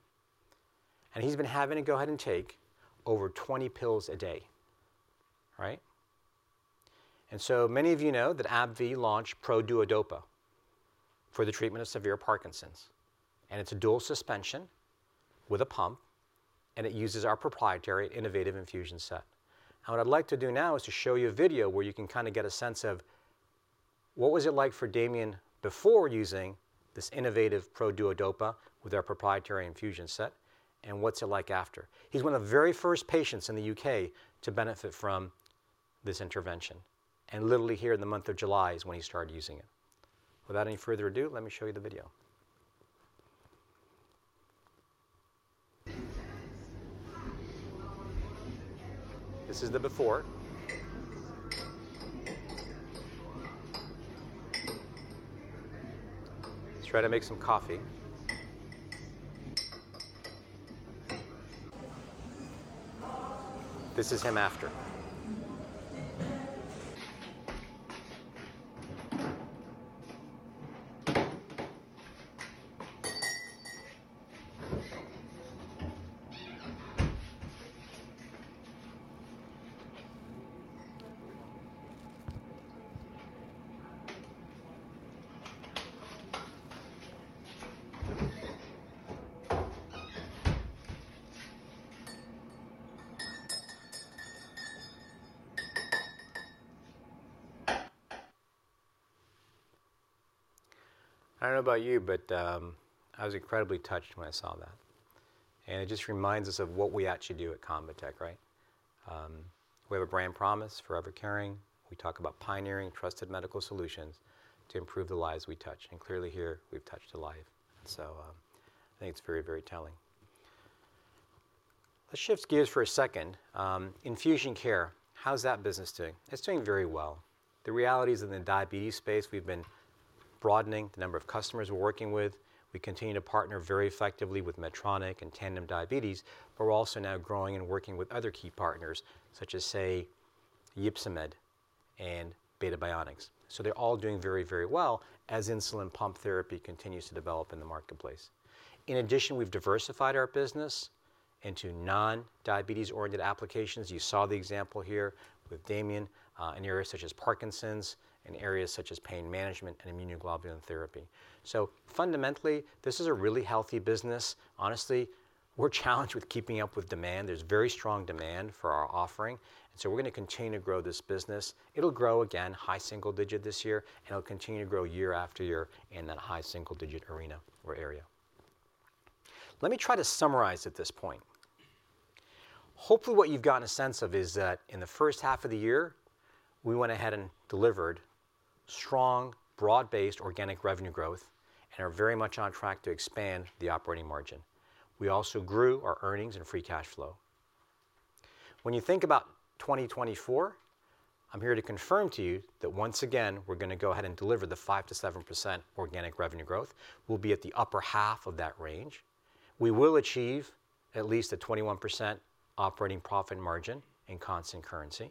And he's been having to go ahead and take over 20 pills a day, right? And so many of you know that AbbVie launched Produodopa for the treatment of severe Parkinson's, and it's a dual suspension with a pump, and it uses our proprietary innovative infusion set. Now, what I'd like to do now is to show you a video where you can kinda get a sense of what was it like for Damian before using this innovative Produodopa with our proprietary infusion set, and what's it like after. He's one of the very first patients in the U.K. to benefit from this intervention, and literally here in the month of July is when he started using it. Without any further ado, let me show you the video. This is the before. He's trying to make some coffee. This is him after. I don't know about you, but, I was incredibly touched when I saw that, and it just reminds us of what we actually do at ConvaTec, right? We have a brand promise, Forever Caring. We talk about pioneering trusted medical solutions to improve the lives we touch, and clearly here, we've touched a life. So, I think it's very, very telling. Let's shift gears for a second. Infusion Care, how's that business doing? It's doing very well. The reality is, in the diabetes space, we've been broadening the number of customers we're working with. We continue to partner very effectively with Medtronic and Tandem Diabetes, but we're also now growing and working with other key partners, such as, say, Ypsomed and Beta Bionics. So they're all doing very, very well as insulin pump therapy continues to develop in the marketplace. In addition, we've diversified our business into non-diabetes-oriented applications. You saw the example here with Damian in areas such as Parkinson's and areas such as pain management and immunoglobulin therapy. So fundamentally, this is a really healthy business. Honestly, we're challenged with keeping up with demand. There's very strong demand for our offering, and so we're gonna continue to grow this business. It'll grow, again, high-single-digit this year, and it'll continue to grow year after year in that high-single-digit arena or area. Let me try to summarize at this point. Hopefully, what you've gotten a sense of is that in the first half of the year, we went ahead and delivered strong, broad-based organic revenue growth and are very much on track to expand the operating margin. We also grew our earnings and free cash flow. When you think about 2024, I'm here to confirm to you that once again, we're gonna go ahead and deliver the 5%-7% organic revenue growth. We'll be at the upper half of that range. We will achieve at least a 21% operating profit margin in constant currency,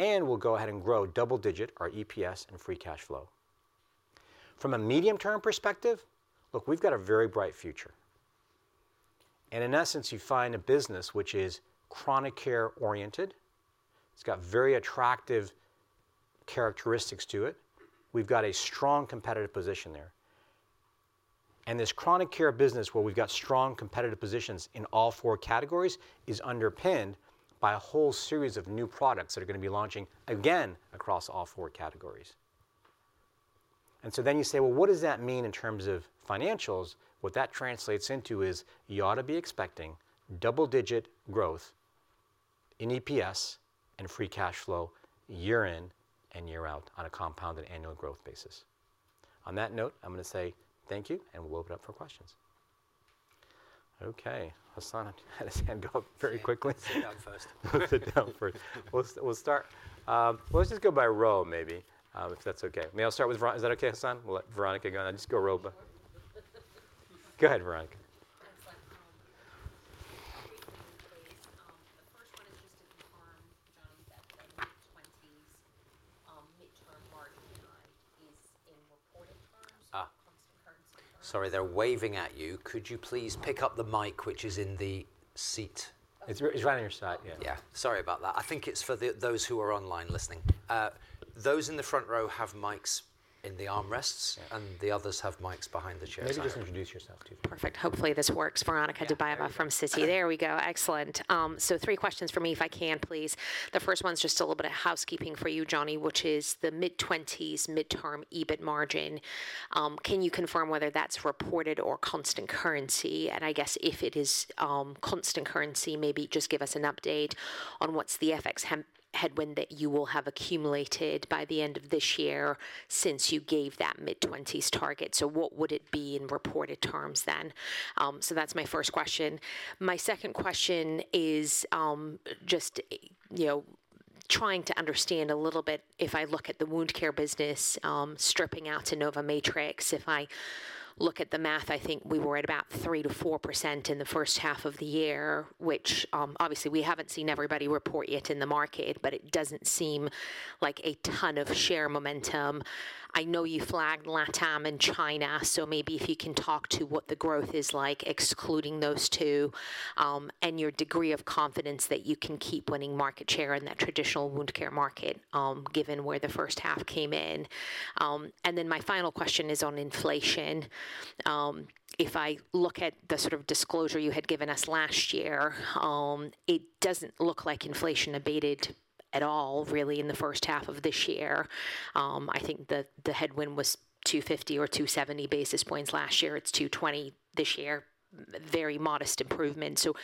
and we'll go ahead and grow double-digit our EPS and free cash flow. From a medium-term perspective, look, we've got a very bright future, and in essence, you find a business which is chronic care-oriented. It's got very attractive characteristics to it. We've got a strong competitive position there. And this chronic care business, where we've got strong competitive positions in all four categories, is underpinned by a whole series of new products that are gonna be launching again across all four categories.... And so then you say, "Well, what does that mean in terms of financials?" What that translates into is you ought to be expecting double-digit growth in EPS and free cash flow year in and year out on a compounded annual growth basis. On that note, I'm gonna say thank you, and we'll open up for questions. Okay, Hassan had his hand up very quickly. Sit down first. Sit down first. We'll start, well, let's just go by row maybe, if that's okay. May I start with Veronika, is that okay, Hassan? We'll let Veronika go on, and just go row by row. Go ahead, Veronika. Thanks. Three things, please. The first one is just to confirm, Jonny, that by mid-20s, midterm margin guide is in reported terms- Ah... constant currency terms? Sorry, they're waving at you. Could you please pick up the mic, which is in the seat? It's right on your side. Yeah. Yeah. Sorry about that. I think it's for the, those who are online listening. Those in the front row have mics in the armrests- Yeah... and the others have mics behind the chairs. Maybe just introduce yourself, too. Perfect. Hopefully, this works. Veronika Dubajova from Citi. Okay. There we go. Excellent. So three questions for me, if I can, please. The first one's just a little bit of housekeeping for you, Jonny, which is the mid-20s midterm EBIT margin. Can you confirm whether that's reported or constant currency? And I guess if it is constant currency, maybe just give us an update on what's the FX headwind that you will have accumulated by the end of this year since you gave that mid-20s target. So what would it be in reported terms then? So that's my first question. My second question is just, you know, trying to understand a little bit, if I look at the wound care business, stripping out InnovaMatrix. If I look at the math, I think we were at about 3%-4% in the first half of the year, which, obviously, we haven't seen everybody report yet in the market, but it doesn't seem like a ton of share momentum. I know you flagged LatAm and China, so maybe if you can talk to what the growth is like, excluding those two, and your degree of confidence that you can keep winning market share in that traditional wound care market, given where the first half came in. And then my final question is on inflation. If I look at the sort of disclosure you had given us last year, it doesn't look like inflation abated at all, really, in the first half of this year. I think the headwind was 250 or 270 basis points last year. It's 220 this year. Very modest improvement. So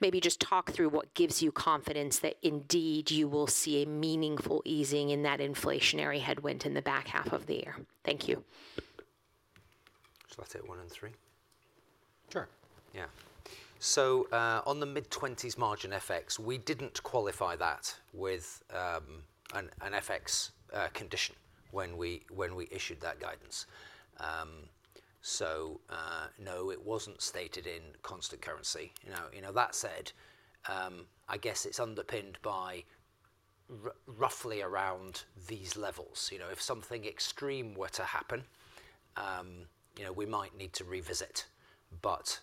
maybe just talk through what gives you confidence that indeed you will see a meaningful easing in that inflationary headwind in the back half of the year. Thank you. I take one and three? Sure. Yeah. So, on the mid-20s margin FX, we didn't qualify that with an FX condition when we issued that guidance. So, no, it wasn't stated in constant currency. You know, you know, that said, I guess it's underpinned by roughly around these levels. You know, if something extreme were to happen, you know, we might need to revisit. But,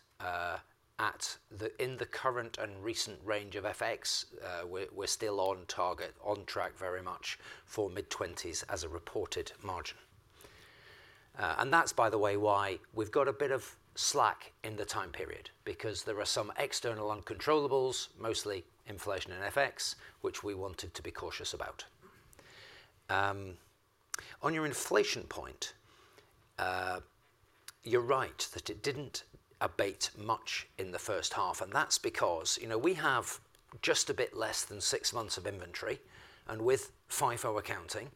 in the current and recent range of FX, we're still on target, on track very much for mid-20s as a reported margin. And that's, by the way, why we've got a bit of slack in the time period, because there are some external uncontrollables, mostly inflation and FX, which we wanted to be cautious about. On your inflation point, you're right that it didn't abate much in the first half, and that's because, you know, we have just a bit less than six months of inventory, and with FIFO accounting,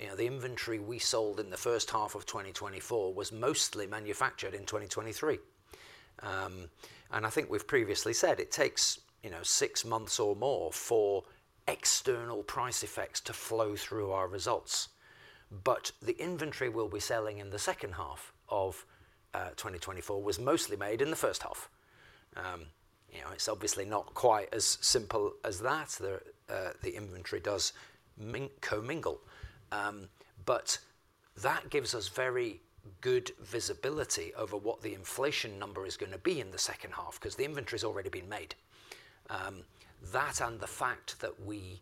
you know, the inventory we sold in the first half of 2024 was mostly manufactured in 2023. And I think we've previously said it takes, you know, six months or more for external price effects to flow through our results. But the inventory we'll be selling in the second half of 2024 was mostly made in the first half. You know, it's obviously not quite as simple as that. The inventory does commingle. But that gives us very good visibility over what the inflation number is gonna be in the second half, 'cause the inventory's already been made. That, and the fact that we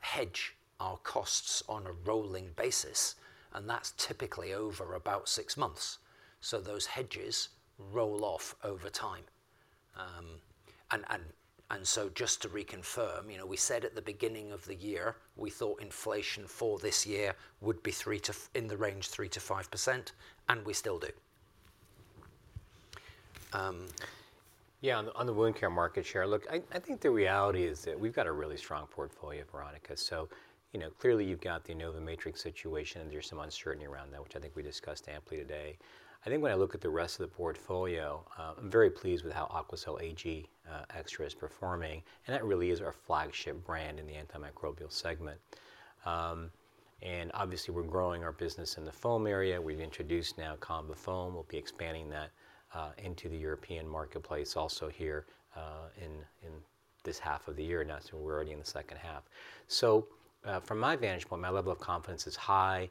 hedge our costs on a rolling basis, and that's typically over about six months, so those hedges roll off over time. So just to reconfirm, you know, we said at the beginning of the year, we thought inflation for this year would be three to—in the range 3%-5%, and we still do. Yeah, on the wound care market share, look, I think the reality is that we've got a really strong portfolio, Veronika. So, you know, clearly you've got the InnovaMatrix situation, there's some uncertainty around that, which I think we discussed amply today. I think when I look at the rest of the portfolio, I'm very pleased with how Aquacel Ag Extra is performing, and that really is our flagship brand in the antimicrobial segment. And obviously, we're growing our business in the foam area. We've introduced now ConvaFoam. We'll be expanding that into the European marketplace also here in this half of the year, and that's, we're already in the second half. So, from my vantage point, my level of confidence is high.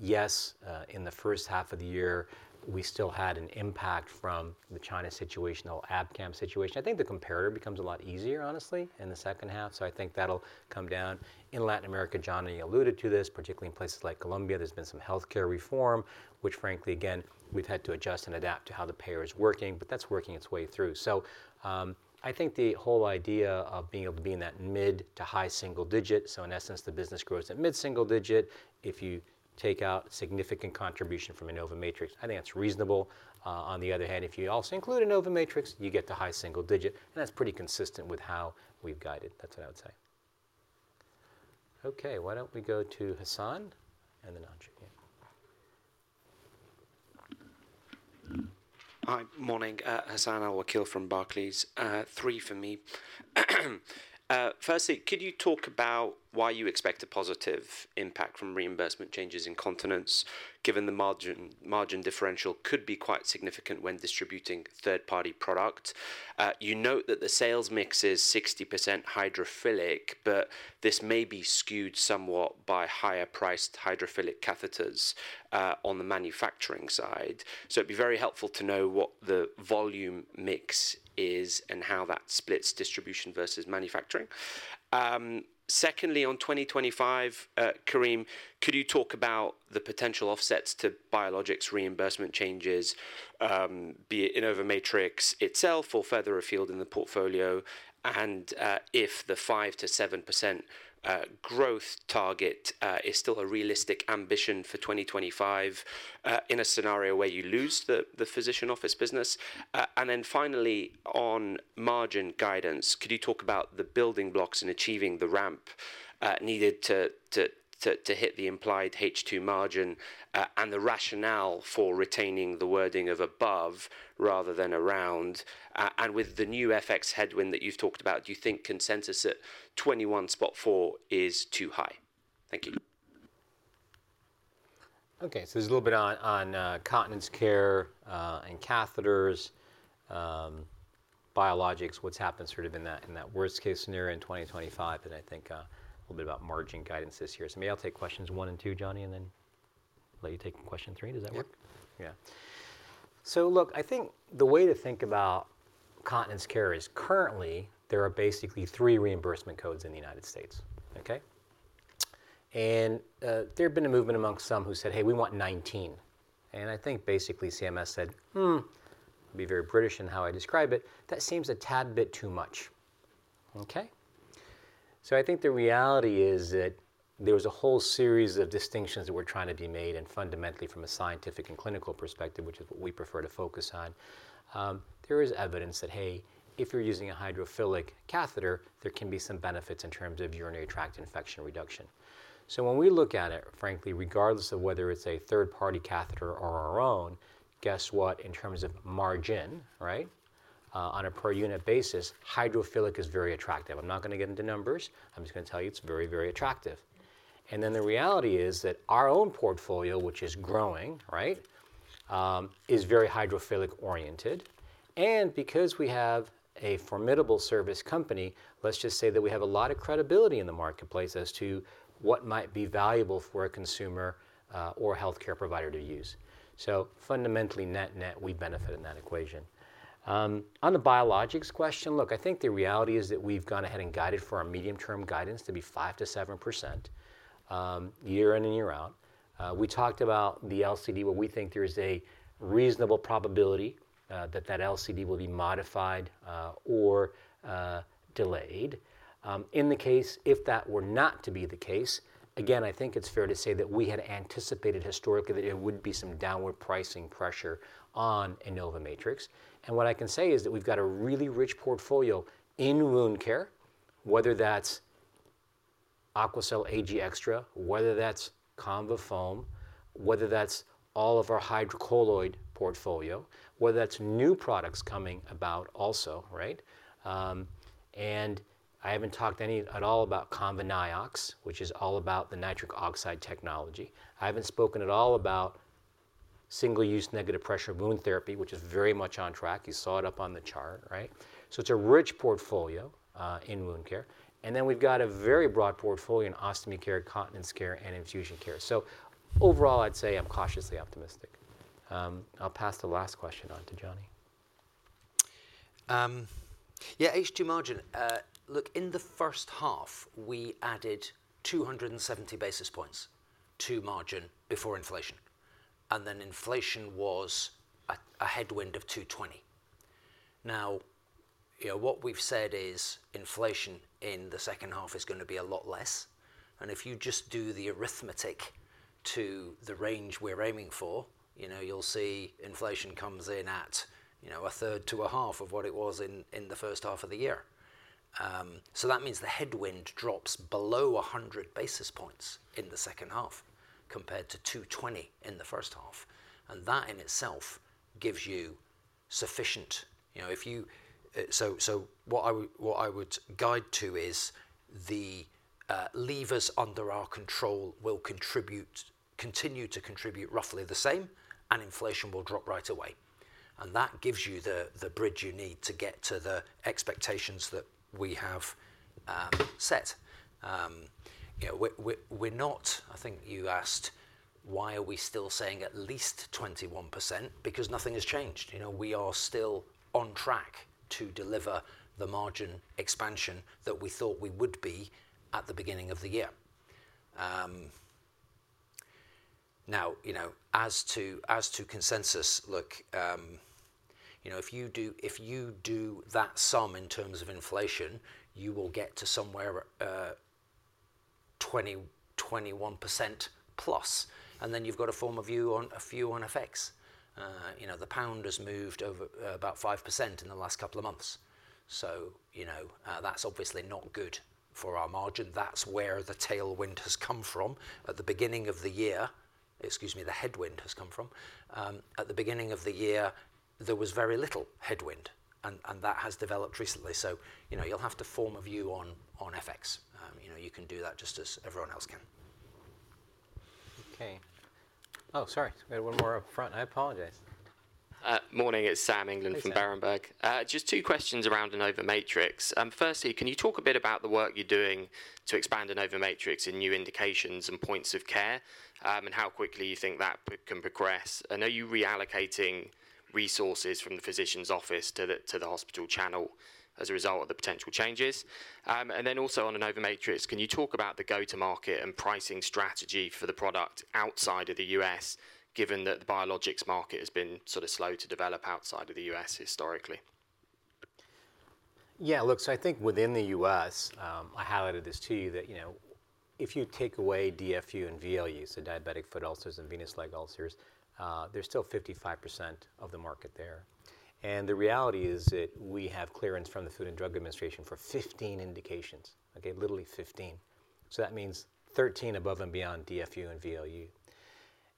Yes, in the first half of the year, we still had an impact from the China situational app CAM situation. I think the comparator becomes a lot easier, honestly, in the second half, so I think that'll come down. In Latin America, Jonny, you alluded to this, particularly in places like Colombia, there's been some healthcare reform, which frankly, again, we've had to adjust and adapt to how the payer is working, but that's working its way through. So, I think the whole idea of being able to be in that mid- to high-single digits, so in essence, the business grows at mid-single digit. If you take out significant contribution from InnovaMatrix, I think that's reasonable. On the other hand, if you also include InnovaMatrix, you get the high-single digit, and that's pretty consistent with how we've guided. That's what I would say. Okay, why don't we go to Hassan and then Anchal? Yeah. Hi, morning. Hassan Al-Wakeel from Barclays. Three for me. Firstly, could you talk about why you expect a positive impact from reimbursement changes in continence, given the margin differential could be quite significant when distributing third-party product? You note that the sales mix is 60% hydrophilic, but this may be skewed somewhat by higher priced hydrophilic catheters, on the manufacturing side. So it'd be very helpful to know what the volume mix is and how that splits distribution versus manufacturing. Secondly, on 2025, Karim, could you talk about the potential offsets to biologics reimbursement changes, be it InnovaMatrix itself or further afield in the portfolio? And, if the 5%-7% growth target is still a realistic ambition for 2025, in a scenario where you lose the physician office business. And then finally, on margin guidance, could you talk about the building blocks in achieving the ramp needed to hit the implied H2 margin, and the rationale for retaining the wording of above rather than around, and with the new FX headwind that you've talked about, do you think consensus at 21.4% is too high? Thank you. Okay, so there's a little bit on continence care and catheters, biologics, what's happened sort of in that worst-case scenario in 2025, and I think a little bit about margin guidance this year. So may I'll take questions one and two, Jonny, and then let you take question three? Does that work? Yep. Yeah. So look, I think the way to think about Continence Care is currently, there are basically three reimbursement codes in the United States, okay? And, there have been a movement amongst some who said, "Hey, we want 19." And I think basically CMS said, "Hmm," be very British in how I describe it, "That seems a tad bit too much." Okay? So I think the reality is that there was a whole series of distinctions that were trying to be made, and fundamentally from a scientific and clinical perspective, which is what we prefer to focus on, there is evidence that, hey, if you're using a hydrophilic catheter, there can be some benefits in terms of urinary tract infection reduction. So when we look at it, frankly, regardless of whether it's a third-party catheter or our own, guess what, in terms of margin, right? On a per unit basis, hydrophilic is very attractive. I'm not gonna get into numbers. I'm just gonna tell you it's very, very attractive. And then the reality is that our own portfolio, which is growing, right, is very hydrophilic oriented, and because we have a formidable service company, let's just say that we have a lot of credibility in the marketplace as to what might be valuable for a consumer, or a healthcare provider to use. So fundamentally, net net, we benefit in that equation. On the biologics question, look, I think the reality is that we've gone ahead and guided for our medium-term guidance to be 5%-7%, year in and year out. We talked about the LCD, where we think there is a reasonable probability that that LCD will be modified, or, delayed. In the case, if that were not to be the case, again, I think it's fair to say that we had anticipated historically that there would be some downward pricing pressure on InnovaMatrix. And what I can say is that we've got a really rich portfolio in wound care, whether that's Aquacel Ag Extra, whether that's ConvaFoam, whether that's all of our hydrocolloid portfolio, whether that's new products coming about also, right? And I haven't talked any at all about ConvaNiox, which is all about the nitric oxide technology. I haven't spoken at all about single-use negative pressure wound therapy, which is very much on track. You saw it up on the chart, right? So it's a rich portfolio in wound care. And then we've got a very broad portfolio in ostomy care, continence care, and infusion care. So overall, I'd say I'm cautiously optimistic. I'll pass the last question on to Jonny. Yeah, H2 margin. Look, in the first half, we added 270 basis points to margin before inflation, and then inflation was a headwind of 220 basis points. Now, you know, what we've said is inflation in the second half is gonna be a lot less, and if you just do the arithmetic to the range we're aiming for, you know, you'll see inflation comes in at, you know, a third to a half of what it was in the first half of the year. So that means the headwind drops below 100 basis points in the second half, compared to 220 basis points in the first half, and that in itself gives you sufficient... You know, so what I would guide to is the levers under our control will continue to contribute roughly the same, and inflation will drop right away. And that gives you the bridge you need to get to the expectations that we have set. You know, we're not, I think you asked why are we still saying at least 21%? Because nothing has changed. You know, we are still on track to deliver the margin expansion that we thought we would be at the beginning of the year. Now, you know, as to, as to consensus, look, you know, if you do, if you do that sum in terms of inflation, you will get to somewhere, 20-21%+, and then you've got to form a view on, a view on effects. You know, the pound has moved over, about 5% in the last couple of months. So, you know, that's obviously not good for our margin. That's where the tailwind has come from. At the beginning of the year—excuse me, the headwind has come from. At the beginning of the year, there was very little headwind, and, and that has developed recently. So, you know, you'll have to form a view on, on FX. You know, you can do that just as everyone else can. Okay. Oh, sorry. We had one more up front. I apologize. Morning, it's Sam England- Hey, Sam... from Berenberg. Just two questions around InnovaMatrix. Firstly, can you talk a bit about the work you're doing to expand InnovaMatrix in new indications and points of care, and how quickly you think that can progress? And are you reallocating resources from the physician's office to the hospital channel as a result of the potential changes? And then also on InnovaMatrix, can you talk about the go-to-market and pricing strategy for the product outside of the U.S., given that the biologics market has been sorta slow to develop outside of the U.S. historically? Yeah, look, so I think within the U.S., I highlighted this to you, that, you know, if you take away DFU and VLU, so diabetic foot ulcers and venous leg ulcers, there's still 55% of the market there. And the reality is that we have clearance from the Food and Drug Administration for 15 indications, okay? Literally 15. So that means 13 above and beyond DFU and VLU.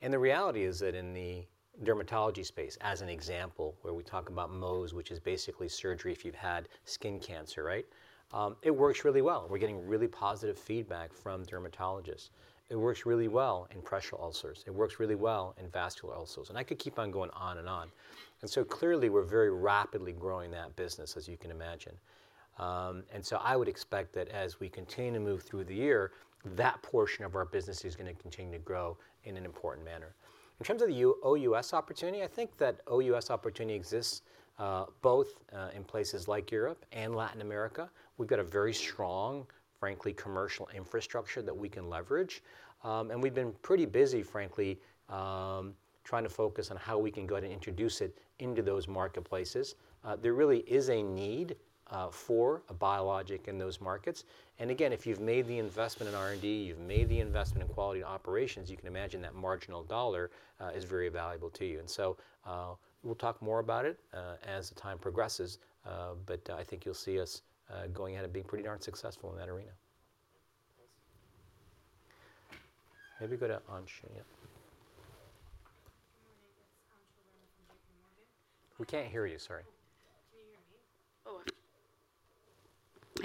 And the reality is that in the dermatology space, as an example, where we talk about Mohs, which is basically surgery if you've had skin cancer, right? It works really well. We're getting really positive feedback from dermatologists. It works really well in pressure ulcers. It works really well in vascular ulcers, and I could keep on going on and on. And so clearly, we're very rapidly growing that business, as you can imagine. And so I would expect that as we continue to move through the year, that portion of our business is gonna continue to grow in an important manner. In terms of the OUS opportunity, I think that OUS opportunity exists both in places like Europe and Latin America. We've got a very strong, frankly, commercial infrastructure that we can leverage. And we've been pretty busy, frankly, trying to focus on how we can go ahead and introduce it into those marketplaces. There really is a need for a biologic in those markets. And again, if you've made the investment in R&D, you've made the investment in quality and operations, you can imagine that marginal dollar is very valuable to you. We'll talk more about it as the time progresses, but I think you'll see us going ahead and being pretty darn successful in that arena. Maybe go to Anchal. Good morning, it's Anchal Verma from JP Morgan. We can't hear you, sorry. Can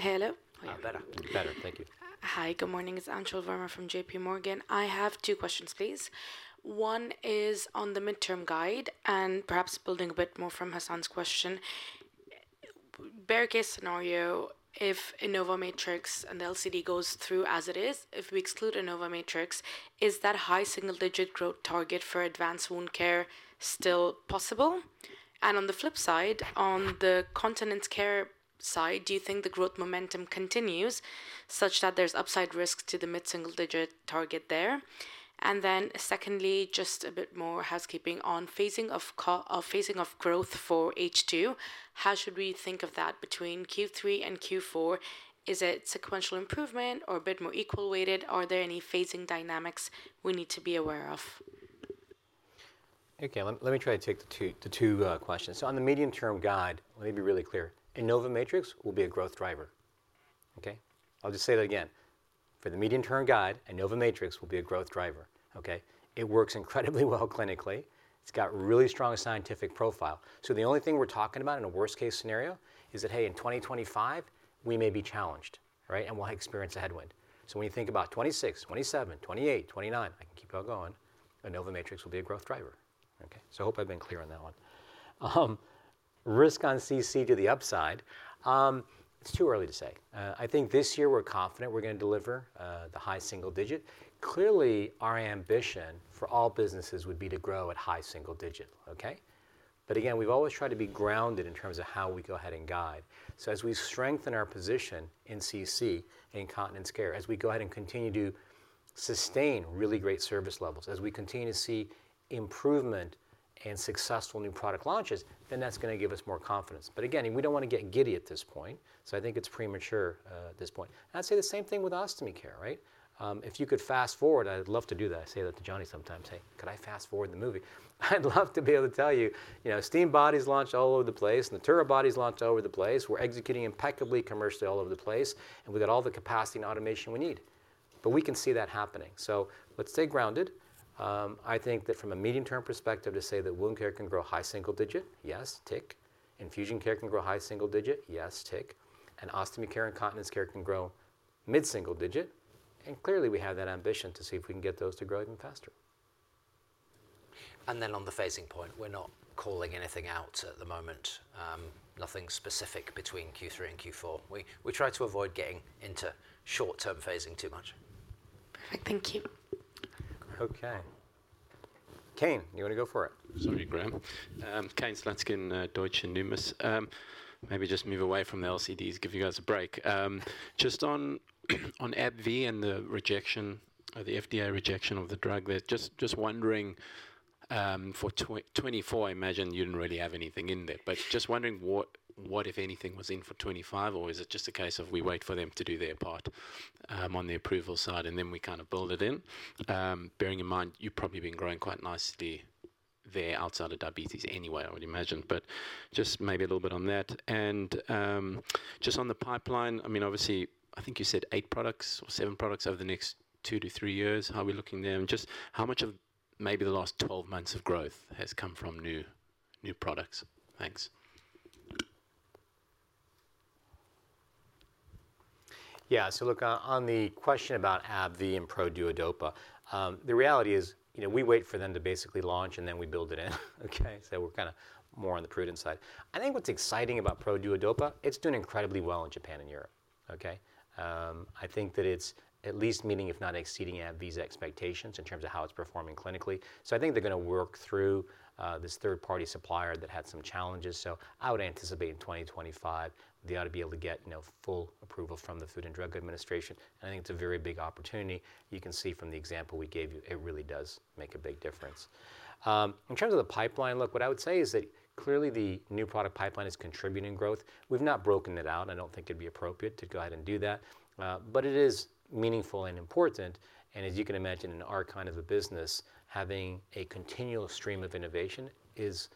you hear me? Oh. Hello? Uh, better. Better. Thank you. Hi, good morning. It's Anchal Verma from JP Morgan. I have two questions, please. One is on the midterm guide, and perhaps building a bit more from Hassan's question. Bear case scenario, if InnovaMatrix and the LCD goes through as it is, if we exclude InnovaMatrix, is that high-single digit growth target for advanced wound care still possible? And on the flip side, on the continence care side, do you think the growth momentum continues, such that there's upside risk to the mid-single digit target there? And then secondly, just a bit more housekeeping on phasing of growth for H2. How should we think of that between Q3 and Q4? Is it sequential improvement or a bit more equal weighted? Are there any phasing dynamics we need to be aware of? Okay, let me try to take the two questions. So on the medium-term guide, let me be really clear. InnovaMatrix will be a growth driver, okay? I'll just say that again. For the medium-term guide, InnovaMatrix will be a growth driver, okay? It works incredibly well clinically. It's got really strong scientific profile. So the only thing we're talking about in a worst-case scenario is that, hey, in 2025, we may be challenged, right? And we'll experience a headwind. So when you think about 2026, 2027, 2028, 2029, I can keep on going, InnovaMatrix will be a growth driver, okay? So I hope I've been clear on that one. Risk on CC to the upside, it's too early to say. I think this year we're confident we're gonna deliver the high-single digit. Clearly, our ambition for all businesses would be to grow at high-single digit, okay? But again, we've always tried to be grounded in terms of how we go ahead and guide. So as we strengthen our position in CC, in continence care, as we go ahead and continue to sustain really great service levels, as we continue to see improvement and successful new product launches, then that's gonna give us more confidence. But again, we don't wanna get giddy at this point, so I think it's premature at this point. I'd say the same thing with ostomy care, right? If you could fast-forward, I'd love to do that. I say that to Jonny sometimes: "Hey, could I fast-forward the movie?" I'd love to be able to tell you, you know, Esteem Body's launched all over the place, Natura Body's launched all over the place, we're executing impeccably commercially all over the place, and we've got all the capacity and automation we need. But we can see that happening. So let's stay grounded. I think that from a medium-term perspective, to say that wound care can grow high-single digit, yes, tick. Infusion care can grow high-single digit, yes, tick. And ostomy care and continence care can grow mid-single digit, and clearly, we have that ambition to see if we can get those to grow even faster. And then on the phasing point, we're not calling anything out at the moment, nothing specific between Q3 and Q4. We try to avoid getting into short-term phasing too much. Perfect. Thank you. Okay. Kane, you want to go for it? Sorry, Graham. Kane Slutzkin, Deutsche Numis. Maybe just move away from the LCDs, give you guys a break. Just on AbbVie and the rejection or the FDA rejection of the drug there, just wondering for 2024, I imagine you didn't really have anything in there, but just wondering what, if anything, was in for 2025? Or is it just a case of we wait for them to do their part on the approval side, and then we kind of build it in? Bearing in mind, you've probably been growing quite nicely there outside of diabetes anyway, I would imagine, but just maybe a little bit on that. Just on the pipeline, I mean, obviously, I think you said eight products or seven products over the next two to three years. How are we looking there? Just how much of maybe the last 12 months of growth has come from new products? Thanks. Yeah. So look, on the question about AbbVie and Produodopa, the reality is, you know, we wait for them to basically launch, and then we build it in, okay? So we're kind of more on the prudent side. I think what's exciting about Produodopa, it's doing incredibly well in Japan and Europe, okay? I think that it's at least meeting, if not exceeding, AbbVie's expectations in terms of how it's performing clinically. So I think they're gonna work through this third-party supplier that had some challenges. So I would anticipate in 2025, they ought to be able to get, you know, full approval from the Food and Drug Administration, and I think it's a very big opportunity. You can see from the example we gave you, it really does make a big difference. In terms of the pipeline, look, what I would say is that clearly, the new product pipeline is contributing growth. We've not broken it out. I don't think it'd be appropriate to go out and do that, but it is meaningful and important, and as you can imagine, in our kind of a business, having a continual stream of innovation is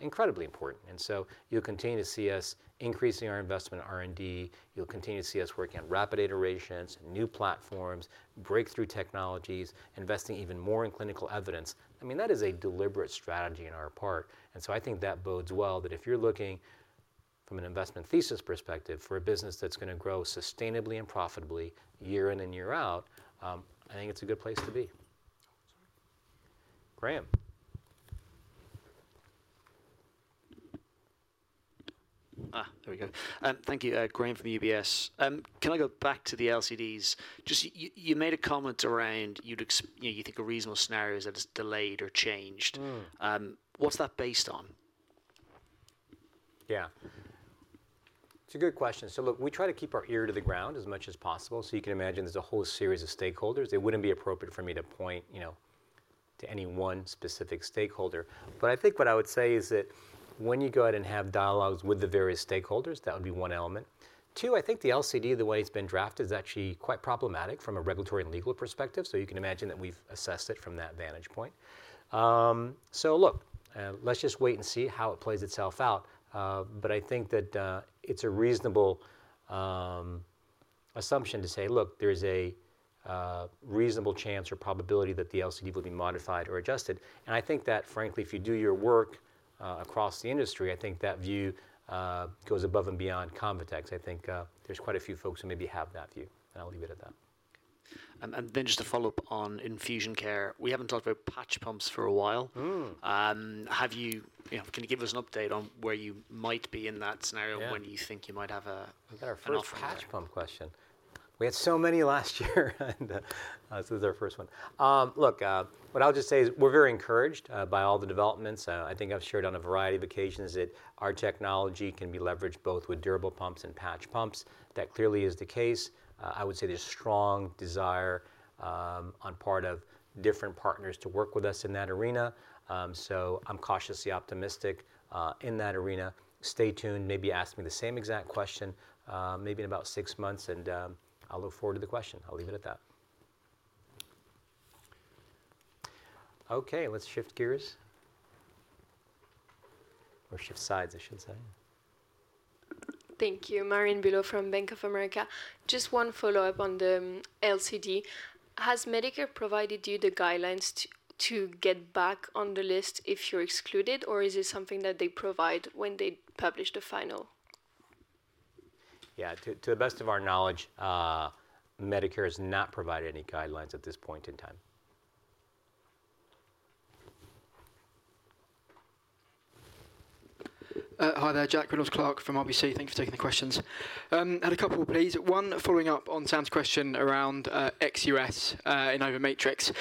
incredibly important. And so you'll continue to see us increasing our investment in R&D. You'll continue to see us working on rapid iterations, new platforms, breakthrough technologies, investing even more in clinical evidence. I mean, that is a deliberate strategy on our part, and so I think that bodes well, that if you're looking from an investment thesis perspective for a business that's gonna grow sustainably and profitably year in and year out, I think it's a good place to be. Oh, sorry. Graham? Thank you. Graham from UBS. Can I go back to the LCDs? Just you, you made a comment around you'd ex- you know, you think a reasonable scenario is that it's delayed or changed. Mm. What's that based on? Yeah. It's a good question. So look, we try to keep our ear to the ground as much as possible, so you can imagine there's a whole series of stakeholders. It wouldn't be appropriate for me to point, you know, to any one specific stakeholder. But I think what I would say is that when you go out and have dialogues with the various stakeholders, that would be one element. Two, I think the LCD, the way it's been drafted, is actually quite problematic from a regulatory and legal perspective, so you can imagine that we've assessed it from that vantage point. So look, let's just wait and see how it plays itself out. But I think that, it's a reasonable assumption to say, look, there's a reasonable chance or probability that the LCD will be modified or adjusted. I think that, frankly, if you do your work across the industry, I think that view goes above and beyond ConvaTec's. I think there's quite a few folks who maybe have that view, and I'll leave it at that. Just to follow up on Infusion Care, we haven't talked about patch pumps for a while. Mm. Have you... You know, can you give us an update on where you might be in that scenario? Yeah and when you think you might have an offer there? We got our first patch pump question. We had so many last year, and this is our first one. Look, what I'll just say is, we're very encouraged by all the developments. I think I've shared on a variety of occasions that our technology can be leveraged both with durable pumps and patch pumps. That clearly is the case. I would say there's strong desire on part of different partners to work with us in that arena. So I'm cautiously optimistic in that arena. Stay tuned, maybe ask me the same exact question, maybe in about six months, and I'll look forward to the question. I'll leave it at that. Okay, let's shift gears... or shift sides, I should say. Thank you. Marianne Bulot from Bank of America. Just one follow-up on the LCD. Has Medicare provided you the guidelines to get back on the list if you're excluded, or is it something that they provide when they publish the final? Yeah, to the best of our knowledge, Medicare has not provided any guidelines at this point in time. Hi there, Jack Reynolds-Clark from RBC. Thanks for taking the questions. Had a couple, please. One, following up on Sam's question around ex-US in InnovaMatrix.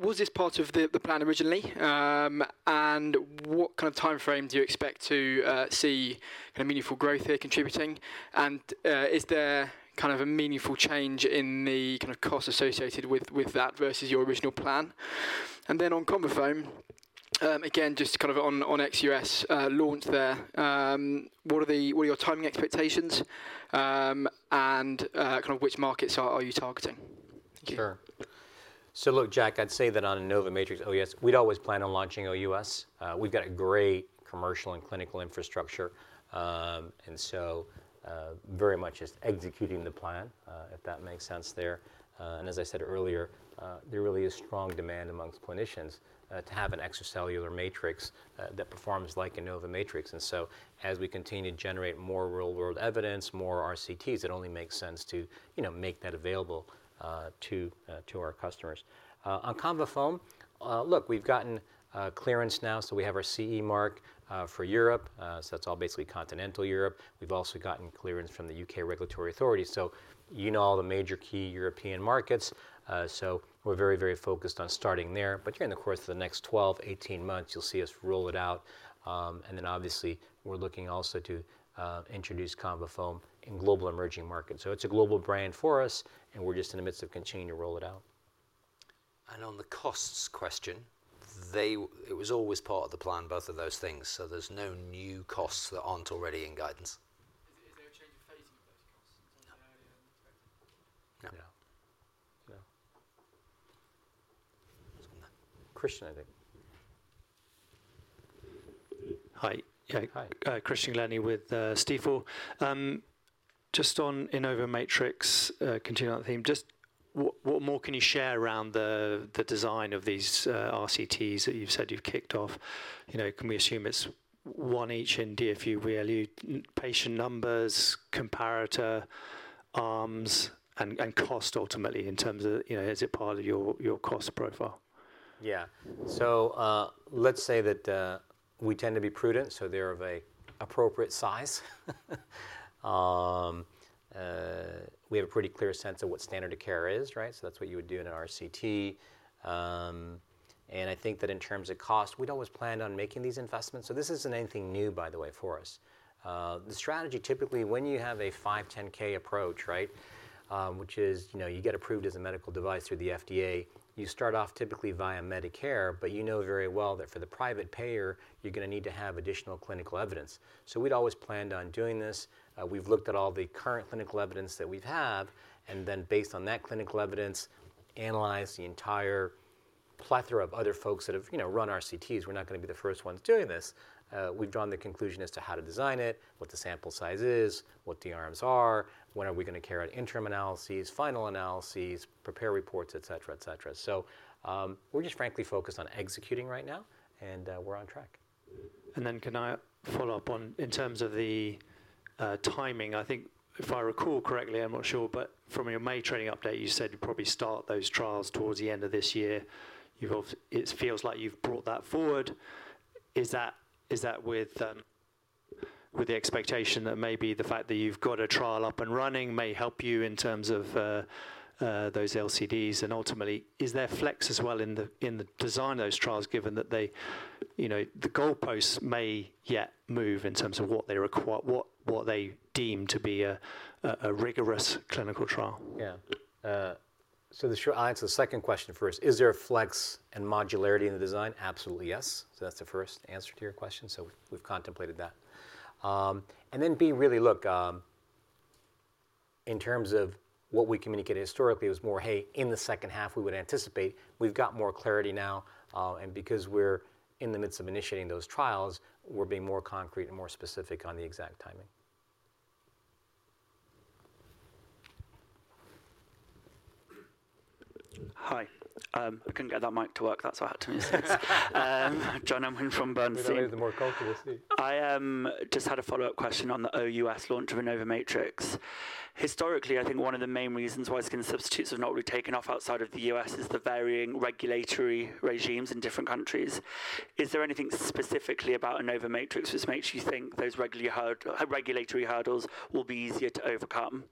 Was this part of the plan originally? And what kind of timeframe do you expect to see a meaningful growth here contributing? And is there kind of a meaningful change in the kind of costs associated with that versus your original plan? And then on ConvaFoam, again, just kind of on ex-US launch there, what are your timing expectations, and kind of which markets are you targeting? Thank you. Sure. So look, Jack, I'd say that on InnovaMatrix, OUS, we'd always planned on launching OUS. We've got a great commercial and clinical infrastructure, and so, very much just executing the plan, if that makes sense there. And as I said earlier, there really is strong demand amongst clinicians, to have an extracellular matrix, that performs like InnovaMatrix. And so as we continue to generate more real-world evidence, more RCTs, it only makes sense to, you know, make that available to our customers. On ConvaFoam, look, we've gotten clearance now, so we have our CE mark, for Europe. So that's all basically continental Europe. We've also gotten clearance from the U.K. regulatory authority, so you know all the major key European markets. So we're very, very focused on starting there. But during the course of the next 12-18 months, you'll see us roll it out. And then obviously, we're looking also to introduce ConvaFoam in global emerging markets. So it's a global brand for us, and we're just in the midst of continuing to roll it out. On the costs question, they, it was always part of the plan, both of those things, so there's no new costs that aren't already in guidance. Is there a change of phasing of those costs? No. Earlier than expected? No. Yeah. Yeah. Christian, I think. Hi. Hi. Christian Glennie with Stifel. Just on InnovaMatrix, continuing on that theme, just what, what more can you share around the, the design of these RCTs that you've said you've kicked off? You know, can we assume it's one each in DFU, VLU, patient numbers, comparator, arms, and, and cost ultimately, in terms of, you know, is it part of your, your cost profile? Yeah. So, let's say that, we tend to be prudent, so they're of an appropriate size. We have a pretty clear sense of what standard of care is, right? So that's what you would do in an RCT. And I think that in terms of cost, we'd always planned on making these investments, so this isn't anything new, by the way, for us. The strategy, typically, when you have a 510(k) approach, right? Which is, you know, you get approved as a medical device through the FDA. You start off typically via Medicare, but you know very well that for the private payer, you're gonna need to have additional clinical evidence. So we'd always planned on doing this. We've looked at all the current clinical evidence that we have, and then based on that clinical evidence, analyzed the entire plethora of other folks that have, you know, run RCTs. We're not gonna be the first ones doing this. We've drawn the conclusion as to how to design it, what the sample size is, what the arms are, when are we gonna carry out interim analyses, final analyses, prepare reports, et cetera, et cetera. So, we're just frankly focused on executing right now, and, we're on track. And then can I follow up on the timing? In terms of the timing, I think if I recall correctly, I'm not sure, but from your May trading update, you said you'd probably start those trials towards the end of this year. It feels like you've brought that forward. Is that with the expectation that maybe the fact that you've got a trial up and running may help you in terms of those LCDs? And ultimately, is there flex as well in the design of those trials, given that they, you know, the goalposts may yet move in terms of what they require—what they deem to be a rigorous clinical trial? Yeah. So the short answer, the second question first: Is there a flex and modularity in the design? Absolutely, yes. So that's the first answer to your question, so we've contemplated that. And then B, really, look, in terms of what we communicated historically, it was more, "Hey, in the second half, we would anticipate..." We've got more clarity now, and because we're in the midst of initiating those trials, we're being more concrete and more specific on the exact timing. Hi. I couldn't get that mic to work, that's why I had to move seats. John Hemingway from Bernstein. The more comfortable seat. I just had a follow-up question on the OUS launch of InnovaMatrix. Historically, I think one of the main reasons why skin substitutes have not really taken off outside of the U.S. is the varying regulatory regimes in different countries. Is there anything specifically about InnovaMatrix which makes you think those regulatory hurdles will be easier to overcome?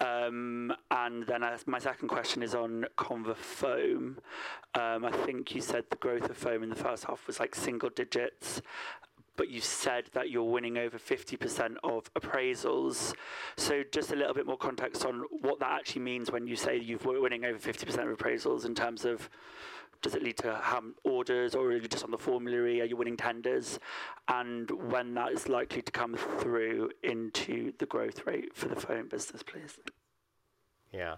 And then my second question is on ConvaFoam. I think you said the growth of foam in the first half was, like, single digits, but you said that you're winning over 50% of appraisals. So just a little bit more context on what that actually means when you say you've winning over 50% of appraisals in terms of does it lead to orders, or are you just on the formulary? Are you winning tenders? When that is likely to come through into the growth rate for the foam business, please? Yeah.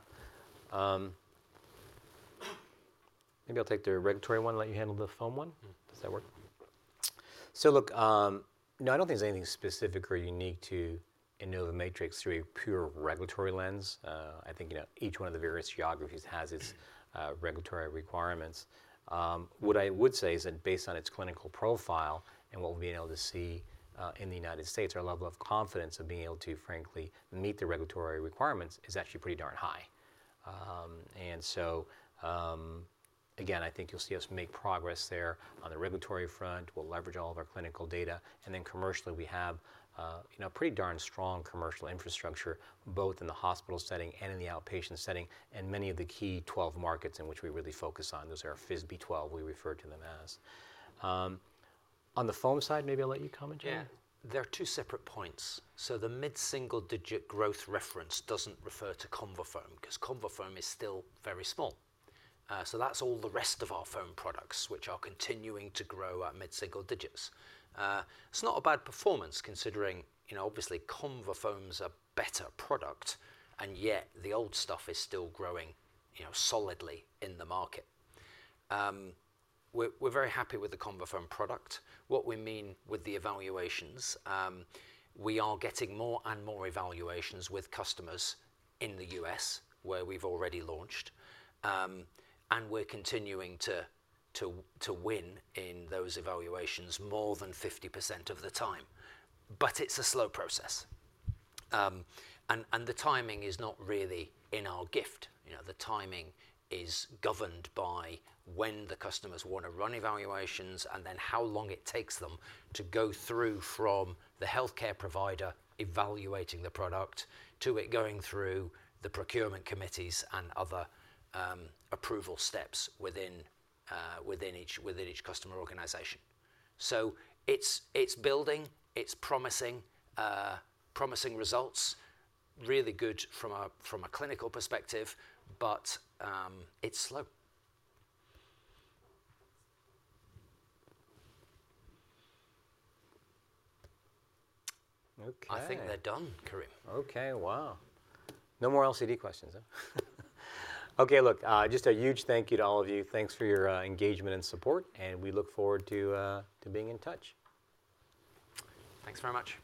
Maybe I'll take the regulatory one and let you handle the foam one. Mm-hmm. Does that work? So look, no, I don't think there's anything specific or unique to InnovaMatrix through a pure regulatory lens. I think, you know, each one of the various geographies has its, regulatory requirements. What I would say is that based on its clinical profile and what we've been able to see, in the United States, our level of confidence in being able to, frankly, meet the regulatory requirements is actually pretty darn high. And so, again, I think you'll see us make progress there on the regulatory front. We'll leverage all of our clinical data, and then commercially, we have, you know, pretty darn strong commercial infrastructure, both in the hospital setting and in the outpatient setting, and many of the key 12 markets in which we really focus on. Those are our Focus 12, we refer to them as. On the foam side, maybe I'll let you comment, Jonny? Yeah. There are two separate points. So the mid-single digit growth reference doesn't refer to ConvaFoam, because ConvaFoam is still very small. So that's all the rest of our foam products, which are continuing to grow at mid-single digits. It's not a bad performance, considering, you know, obviously, ConvaFoam's a better product, and yet the old stuff is still growing, you know, solidly in the market. We're very happy with the ConvaFoam product. What we mean with the evaluations, we are getting more and more evaluations with customers in the U.S., where we've already launched. And we're continuing to win in those evaluations more than 50% of the time, but it's a slow process. And the timing is not really in our gift. You know, the timing is governed by when the customers want to run evaluations, and then how long it takes them to go through from the healthcare provider evaluating the product, to it going through the procurement committees and other approval steps within each customer organization. So it's building, it's promising results, really good from a clinical perspective, but it's slow. Okay. I think they're done, Karim. Okay. Wow! No more LCD questions, huh? Okay, look, just a huge thank you to all of you. Thanks for your engagement and support, and we look forward to to being in touch. Thanks very much.